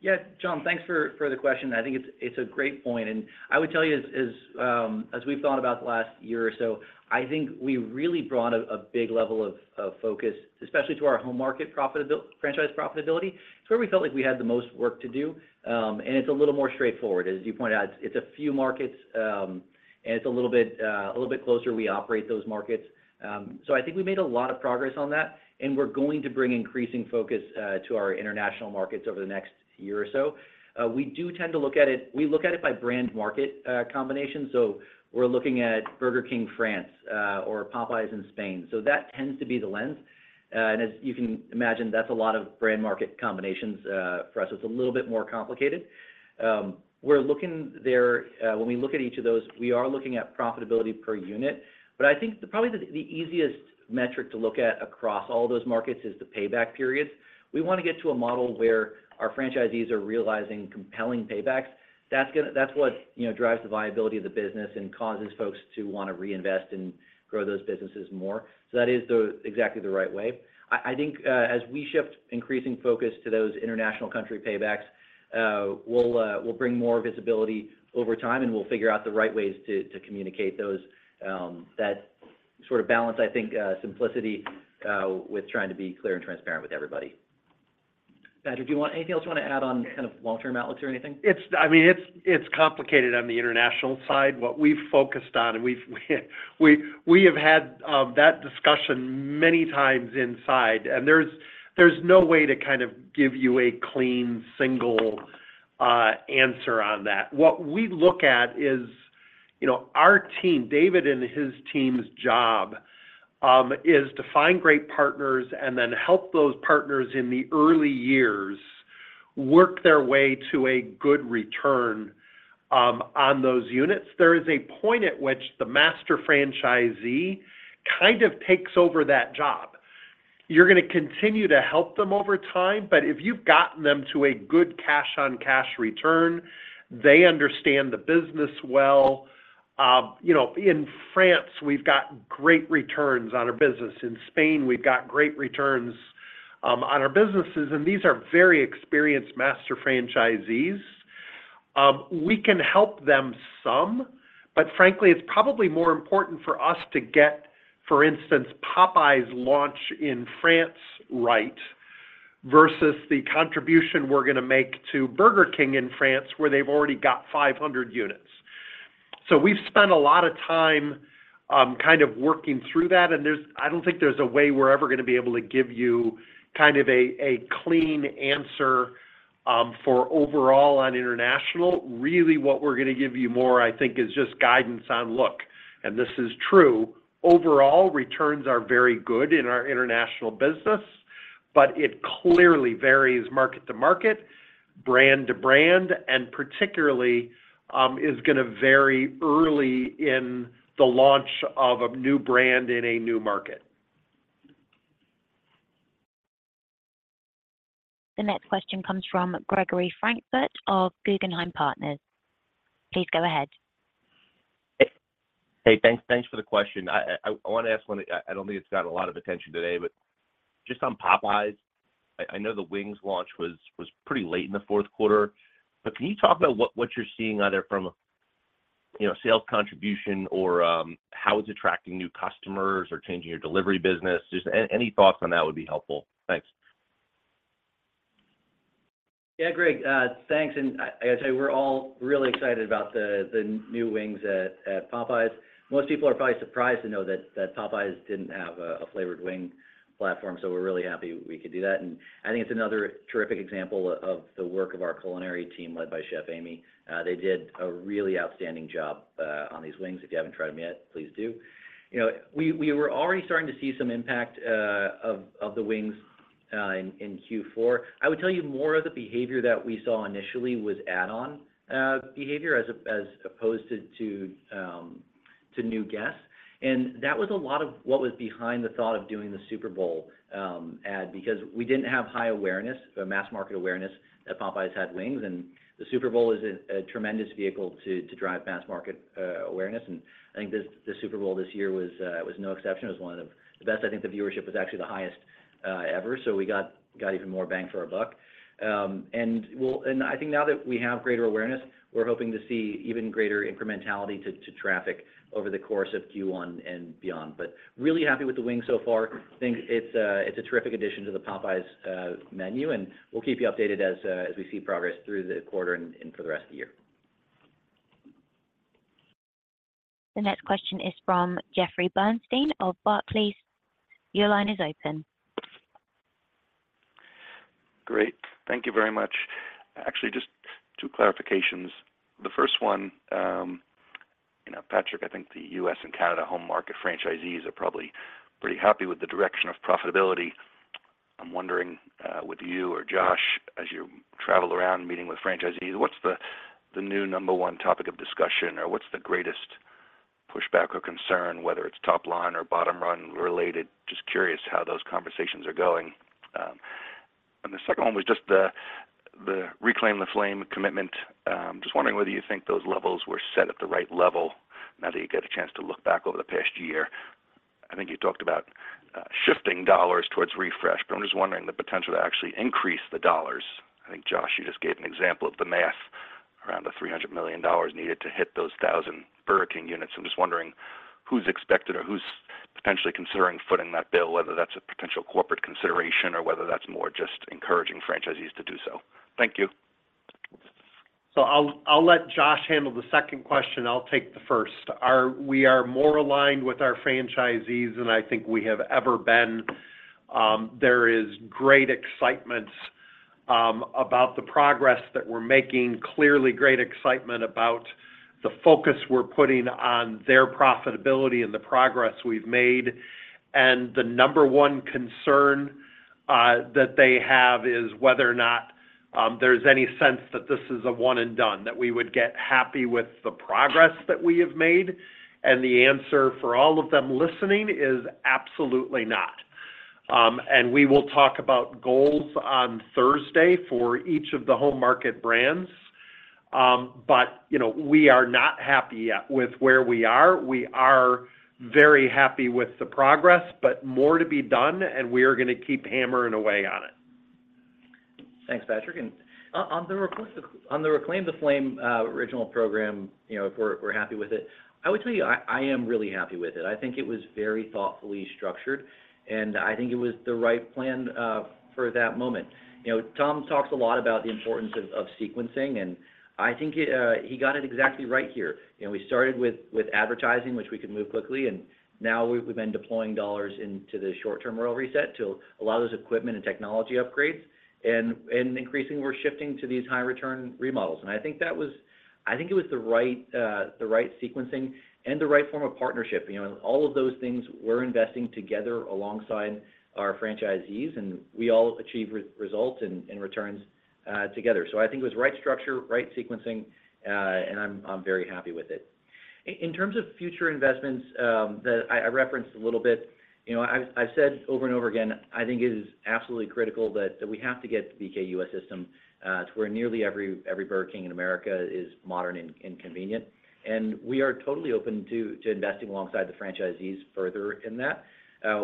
Yes, John, thanks for the question. I think it's a great point, and I would tell you as we've thought about the last year or so, I think we really brought a big level of focus, especially to our home market profitability, franchise profitability. It's where we felt like we had the most work to do, and it's a little more straightforward. As you pointed out, it's a few markets, and it's a little bit closer, we operate those markets. So I think we made a lot of progress on that, and we're going to bring increasing focus to our international markets over the next year or so. We do tend to look at it. We look at it by brand market combination. So we're looking Burger King France, or Popeyes in Spain, so that tends to be the lens. And as you can imagine, that's a lot of brand market combinations. For us, it's a little bit more complicated. When we look at each of those, we are looking at profitability per unit. But I think probably the easiest metric to look at across all those markets is the payback period. We wanna get to a model where our franchisees are realizing compelling paybacks. That's gonna. That's what, you know, drives the viability of the business and causes folks to wanna reinvest and grow those businesses more. So that is exactly the right way. I think as we shift increasing focus to those international country paybacks, we'll bring more visibility over time, and we'll figure out the right ways to communicate those, that sort of balance, I think, simplicity with trying to be clear and transparent with everybody. Patrick, do you want anything else you wanna add on kind of long-term outlooks or anything? It's, I mean, it's complicated on the international side. What we've focused on, and we've had that discussion many times inside, and there's no way to kind of give you a clean, single answer on that. What we look at is, you know, our team, David and his team's job is to find great partners and then help those partners in the early years work their way to a good return on those units. There is a point at which the master franchisee kind of takes over that job. You're gonna continue to help them over time, but if you've gotten them to a good cash-on-cash return, they understand the business well. You know, in France, we've got great returns on our business. In Spain, we've got great returns on our businesses, and these are very experienced master franchisees. We can help them some, but frankly, it's probably important for us to get, for instance, Popeyes launch in France right, versus the contribution we're gonna make Burger King in France, where they've already got 500 units. So we've spent a lot of time, kind of working through that, and there's. I don't think there's a way we're ever gonna be able to give you kind of a clean answer for overall on international. Really, what we're gonna give you more, I think, is just guidance on look, and this is true. Overall, returns are very good in our international business, but it clearly varies market to market, brand to brand, and particularly, is gonna vary early in the launch of a new brand in a new market. The next question comes from Gregory Francfort of Guggenheim Partners. Please go ahead. Hey, thanks for the question. I wanna ask one. I don't think it's gotten a lot of attention today, but just on Popeyes, I know the wings launch was pretty late in the fourth quarter, but can you talk about what you're seeing either from a, you know, sales contribution or how it's attracting new customers or changing your delivery business? Just any thoughts on that would be helpful. Thanks. Yeah, Greg, thanks, and I gotta tell you, we're all really excited about the new wings at Popeyes. Most people are probably surprised to know that Popeyes didn't have a flavored wing platform, so we're really happy we could do that. And I think it's another terrific example of the work of our culinary team, led by Chef Amy. They did a really outstanding job on these wings. If you haven't tried them yet, please do. You know, we were already starting to see some impact of the wings in Q4. I would tell you more of the behavior that we saw initially was add-on behavior as opposed to new guests, and that was a lot of what was behind the thought of doing the Super Bowl ad because we didn't have high awareness, a mass market awareness, that Popeyes had wings. And the Super Bowl is a tremendous vehicle to drive mass market awareness, and I think the Super Bowl this year was no exception. It was one of the best. I think the viewership was actually the highest ever, so we got even more bang for our buck. And well, and I think now that we have greater awareness, we're hoping to see even greater incrementality to traffic over the course of Q1 and beyond. But really happy with the wings so far. Think it's a terrific addition to the Popeyes menu, and we'll keep you updated as we see progress through the quarter and for the rest of the year. The next question is from Jeffrey Bernstein of Barclays. Your line is open. Great. Thank you very much. Actually, just two clarifications. The first one, you know, Patrick, I think the U.S. and Canada home market franchisees are probably pretty happy with the direction of profitability. I'm wondering, with you or Josh, as you travel around meeting with franchisees, what's the new number one topic of discussion, or what's the greatest pushback or concern, whether it's top line or bottom line related? Just curious how those conversations are going. And the second one was just the Reclaim the Flame commitment. Just wondering whether you think those levels were set at the right level now that you get a chance to look back over the past year. I think you talked about shifting dollars towards refresh, but I'm just wondering the potential to actually increase the dollars. I think, Josh, you just gave an example of the math around the $300 million needed to hit those Burger King units. I'm just wondering who's expected or who's potentially considering footing that bill, whether that's a potential corporate consideration or whether that's more just encouraging franchisees to do so. Thank you. So I'll let Josh handle the second question. I'll take the first. We are more aligned with our franchisees than I think we have ever been. There is great excitement about the progress that we're making, clearly great excitement about the focus we're putting on their profitability and the progress we've made. And the number one concern that they have is whether or not there's any sense that this is a one and done, that we would get happy with the progress that we have made, and the answer for all of them listening is absolutely not. And we will talk about goals on Thursday for each of the home market brands, but you know, we are not happy yet with where we are. We are very happy with the progress, but more to be done, and we are going to keep hammering away on it. Thanks, Patrick. On the Reclaim the Flame original program, you know, if we're happy with it, I would tell you, I am really happy with it. I think it was very thoughtfully structured, and I think it was the right plan for that moment. You know, Tom talks a lot about the importance of sequencing, and I think it, he got it exactly right here. You know, we started with advertising, which we could move quickly, and now we've been deploying dollars into the short-term Royal Reset to a lot of those equipment and technology upgrades. And increasingly, we're shifting to these high return remodels. And I think that was. I think it was the right, the right sequencing and the right form of partnership. You know, all of those things, we're investing together alongside our franchisees, and we all achieve results and returns together. So I think it was right structure, right sequencing, and I'm very happy with it. In terms of future investments, I referenced a little bit, you know, I've said over and over again, I think it is absolutely critical that we have to get the BK U.S. system to where nearly Burger King in America is modern and convenient. And we are totally open to investing alongside the franchisees further in that.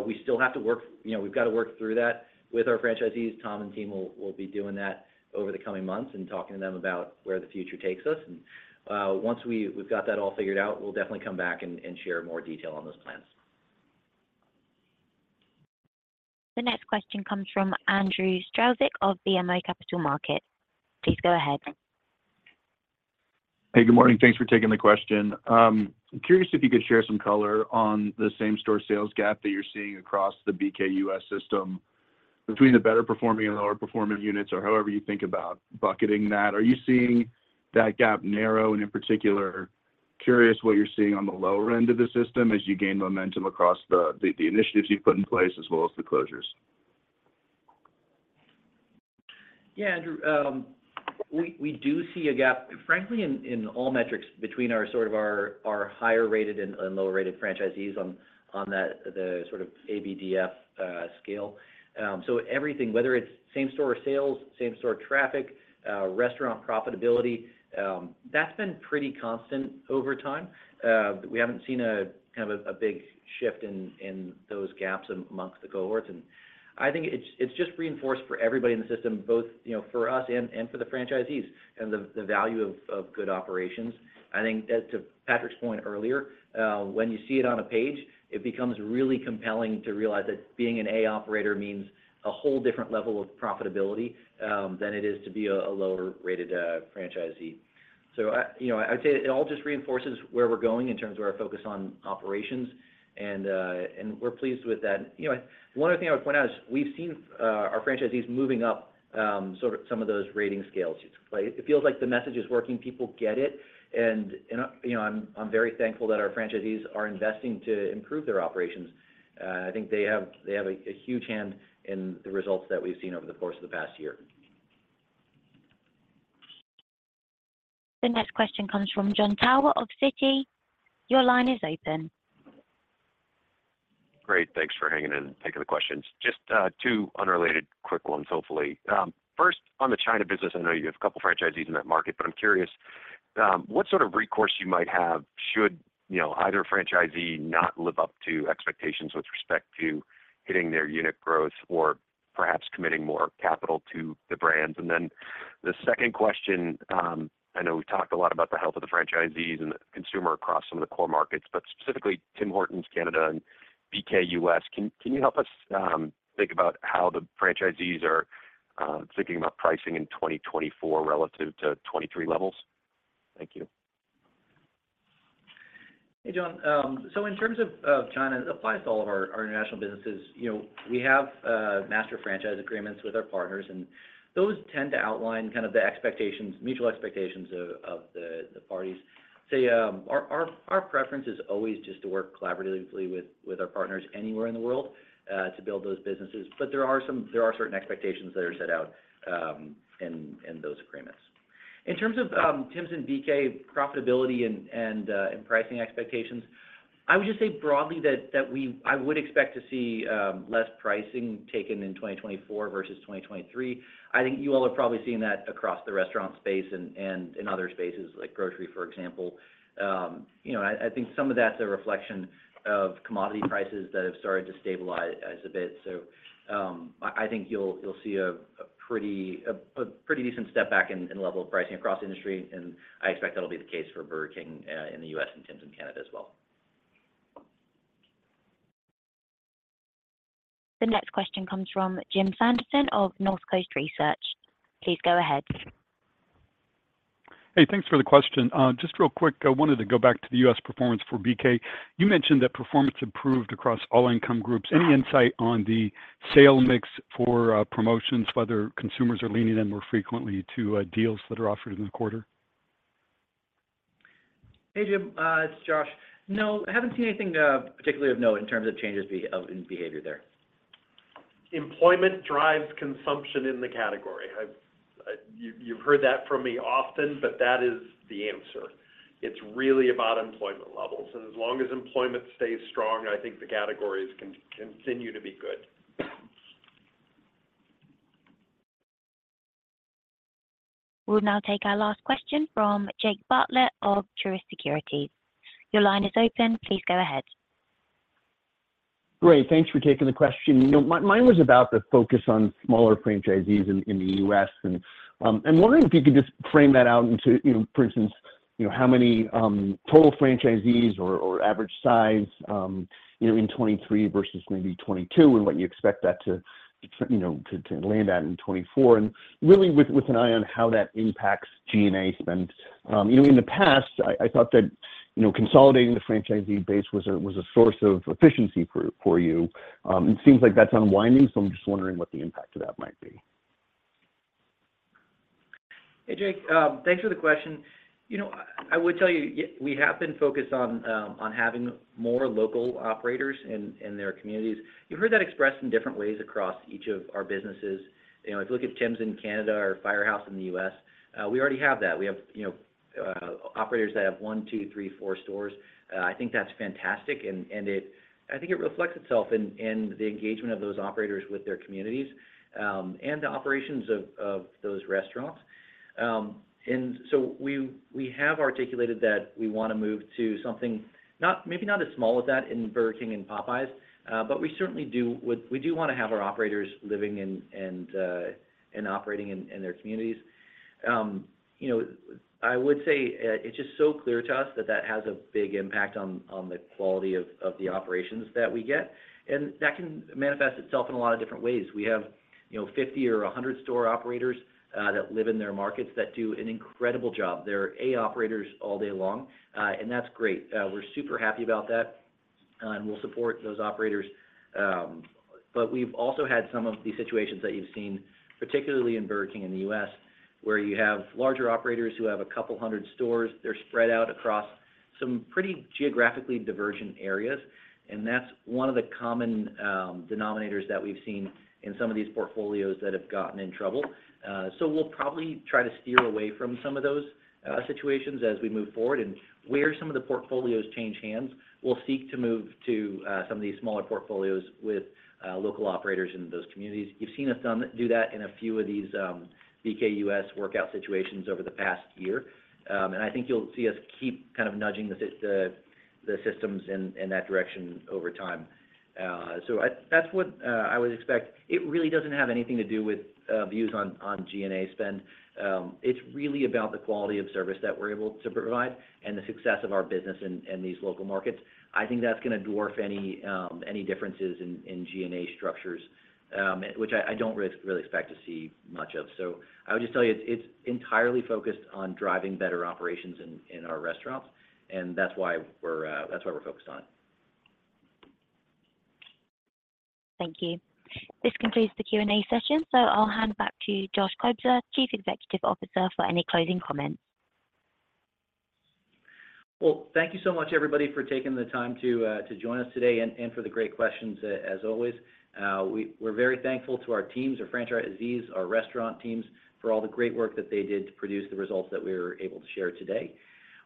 We still have to work, you know, we've got to work through that with our franchisees. Tom and team will be doing that over the coming months and talking to them about where the future takes us. Once we've got that all figured out, we'll definitely come back and share more detail on those plans. The next question comes from Andrew Strelzik of BMO Capital Markets. Please go ahead. Hey, good morning. Thanks for taking the question. I'm curious if you could share some color on the same-store sales gap that you're seeing across the BK U.S. system between the better performing and lower performing units or however you think about bucketing that. Are you seeing that gap narrow, and in particular, curious what you're seeing on the lower end of the system as you gain momentum across the initiatives you've put in place, as well as the closures? Yeah, Andrew, we do see a gap, frankly, in all metrics between our higher-rated and lower-rated franchisees on that sort of ABDF scale. So everything, whether it's same-store sales, same-store traffic, restaurant profitability, that's been pretty constant over time. We haven't seen a kind of big shift in those gaps amongst the cohorts. And I think it's just reinforced for everybody in the system, both, you know, for us and for the franchisees, and the value of good operations. I think as to Patrick's point earlier, when you see it on a page, it becomes really compelling to realize that being an A operator means a whole different level of profitability than it is to be a lower-rated franchisee. So I, you know, I'd say it all just reinforces where we're going in terms of our focus on operations, and we're pleased with that. You know, one other thing I would point out is we've seen our franchisees moving up sort of some of those rating scales. It feels like the message is working, people get it, and you know, I'm very thankful that our franchisees are investing to improve their operations. I think they have a huge hand in the results that we've seen over the course of the past year. The next question comes from Jon Tower of Citi. Your line is open. Great. Thanks for hanging in and taking the questions. Just two unrelated quick ones, hopefully. First, on the China business, I know you have a couple of franchisees in that market, but I'm curious what sort of recourse you might have should, you know, either franchisee not live up to expectations with respect to hitting their unit growth or perhaps committing more capital to the brands? And then the second question, I know we've talked a lot about the health of the franchisees and the consumer across some of the core markets, but Tim Hortons, Canada, and BK U.S., can you help us think about how the franchisees are thinking about pricing in 2024 relative to 2023 levels? Thank you. Hey, John. So in terms of China, it applies to all of our international businesses. You know, we have master franchise agreements with our partners, and those tend to outline kind of the expectations, mutual expectations of the parties. Our preference is always just to work collaboratively with our partners anywhere in the world to build those businesses. But there are certain expectations that are set out in those agreements. In terms of Tims and BK profitability and pricing expectations, I would just say broadly that I would expect to see less pricing taken in 2024 versus 2023. I think you all are probably seeing that across the restaurant space and in other spaces like grocery, for example. You know, I think some of that's a reflection of commodity prices that have started to stabilize a bit. So, I think you'll see a pretty decent step back in level of pricing across the industry, and I expect that'll be the case Burger King in the U.S., and Tims in Canada as well. The next question comes from Jim Sanderson of North Coast Research. Please go ahead. Hey, thanks for the question. Just real quick, I wanted to go back to the U.S. performance for BK. You mentioned that performance improved across all income groups. Any insight on the sales mix for promotions, whether consumers are leaning in more frequently to deals that are offered in the quarter? Hey, Jim, it's Josh. No, I haven't seen anything particularly of note in terms of changes in behavior there. Employment drives consumption in the category. I've... You've heard that from me often, but that is the answer. It's really about employment levels, and as long as employment stays strong, I think the categories can continue to be good. We'll now take our last question from Jake Bartlett of Truist Securities. Your line is open. Please go ahead. Great. Thanks for taking the question. You know, mine was about the focus on smaller franchisees in the U.S., and I'm wondering if you could just frame that out into, you know, for instance, you know, how many total franchisees or average size, you know, in 2023 versus maybe 2022, and what you expect that to, you know, to land at in 2024, and really with an eye on how that impacts G&A spend. You know, in the past, I thought that, you know, consolidating the franchisee base was a source of efficiency for you. It seems like that's unwinding, so I'm just wondering what the impact of that might be. Hey, Jake, thanks for the question. You know, I would tell you, we have been focused on having more local operators in their communities. You've heard that expressed in different ways across each of our businesses. You know, if you look at Tims in Canada or Firehouse in the U.S., we already have that. We have, you know, operators that have one, two, three, four stores. I think that's fantastic, and it—I think it reflects itself in the engagement of those operators with their communities, and the operations of those restaurants. And so we have articulated that we wanna move to something not, maybe not as small as that Burger King and Popeyes, but we certainly do wanna have our operators living and operating in their communities. You know, I would say, it's just so clear to us that that has a big impact on the quality of the operations that we get, and that can manifest itself in a lot of different ways. We have, you know, 50 or 100 store operators that live in their markets that do an incredible job. They're A operators all day long, and that's great. We're super happy about that, and we'll support those operators. But we've also had some of these situations that you've seen, particularly Burger King in the U.S., where you have larger operators who have a couple hundred stores. They're spread out across some pretty geographically divergent areas, and that's one of the common denominators that we've seen in some of these portfolios that have gotten in trouble. So we'll probably try to steer away from some of those situations as we move forward, and where some of the portfolios change hands, we'll seek to move to some of these smaller portfolios with local operators in those communities. You've seen us do that in a few of these BK U.S. workout situations over the past year. And I think you'll see us keep kind of nudging the systems in that direction over time. So that's what I would expect. It really doesn't have anything to do with views on G&A spend. It's really about the quality of service that we're able to provide and the success of our business in these local markets. I think that's gonna dwarf any differences in G&A structures, which I don't really expect to see much of. So I would just tell you, it's entirely focused on driving better operations in our restaurants, and that's what we're focused on. Thank you. This concludes the Q&A session, so I'll hand back to Josh Kobza, Chief Executive Officer, for any closing comments. Well, thank you so much, everybody, for taking the time to join us today and for the great questions, as always. We're very thankful to our teams, our franchisees, our restaurant teams, for all the great work that they did to produce the results that we were able to share today.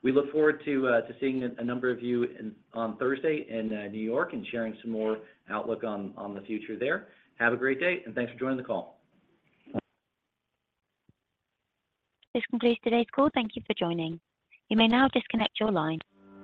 We look forward to seeing a number of you on Thursday in New York and sharing some more outlook on the future there. Have a great day, and thanks for joining the call. This concludes today's call. Thank you for joining. You may now disconnect your line.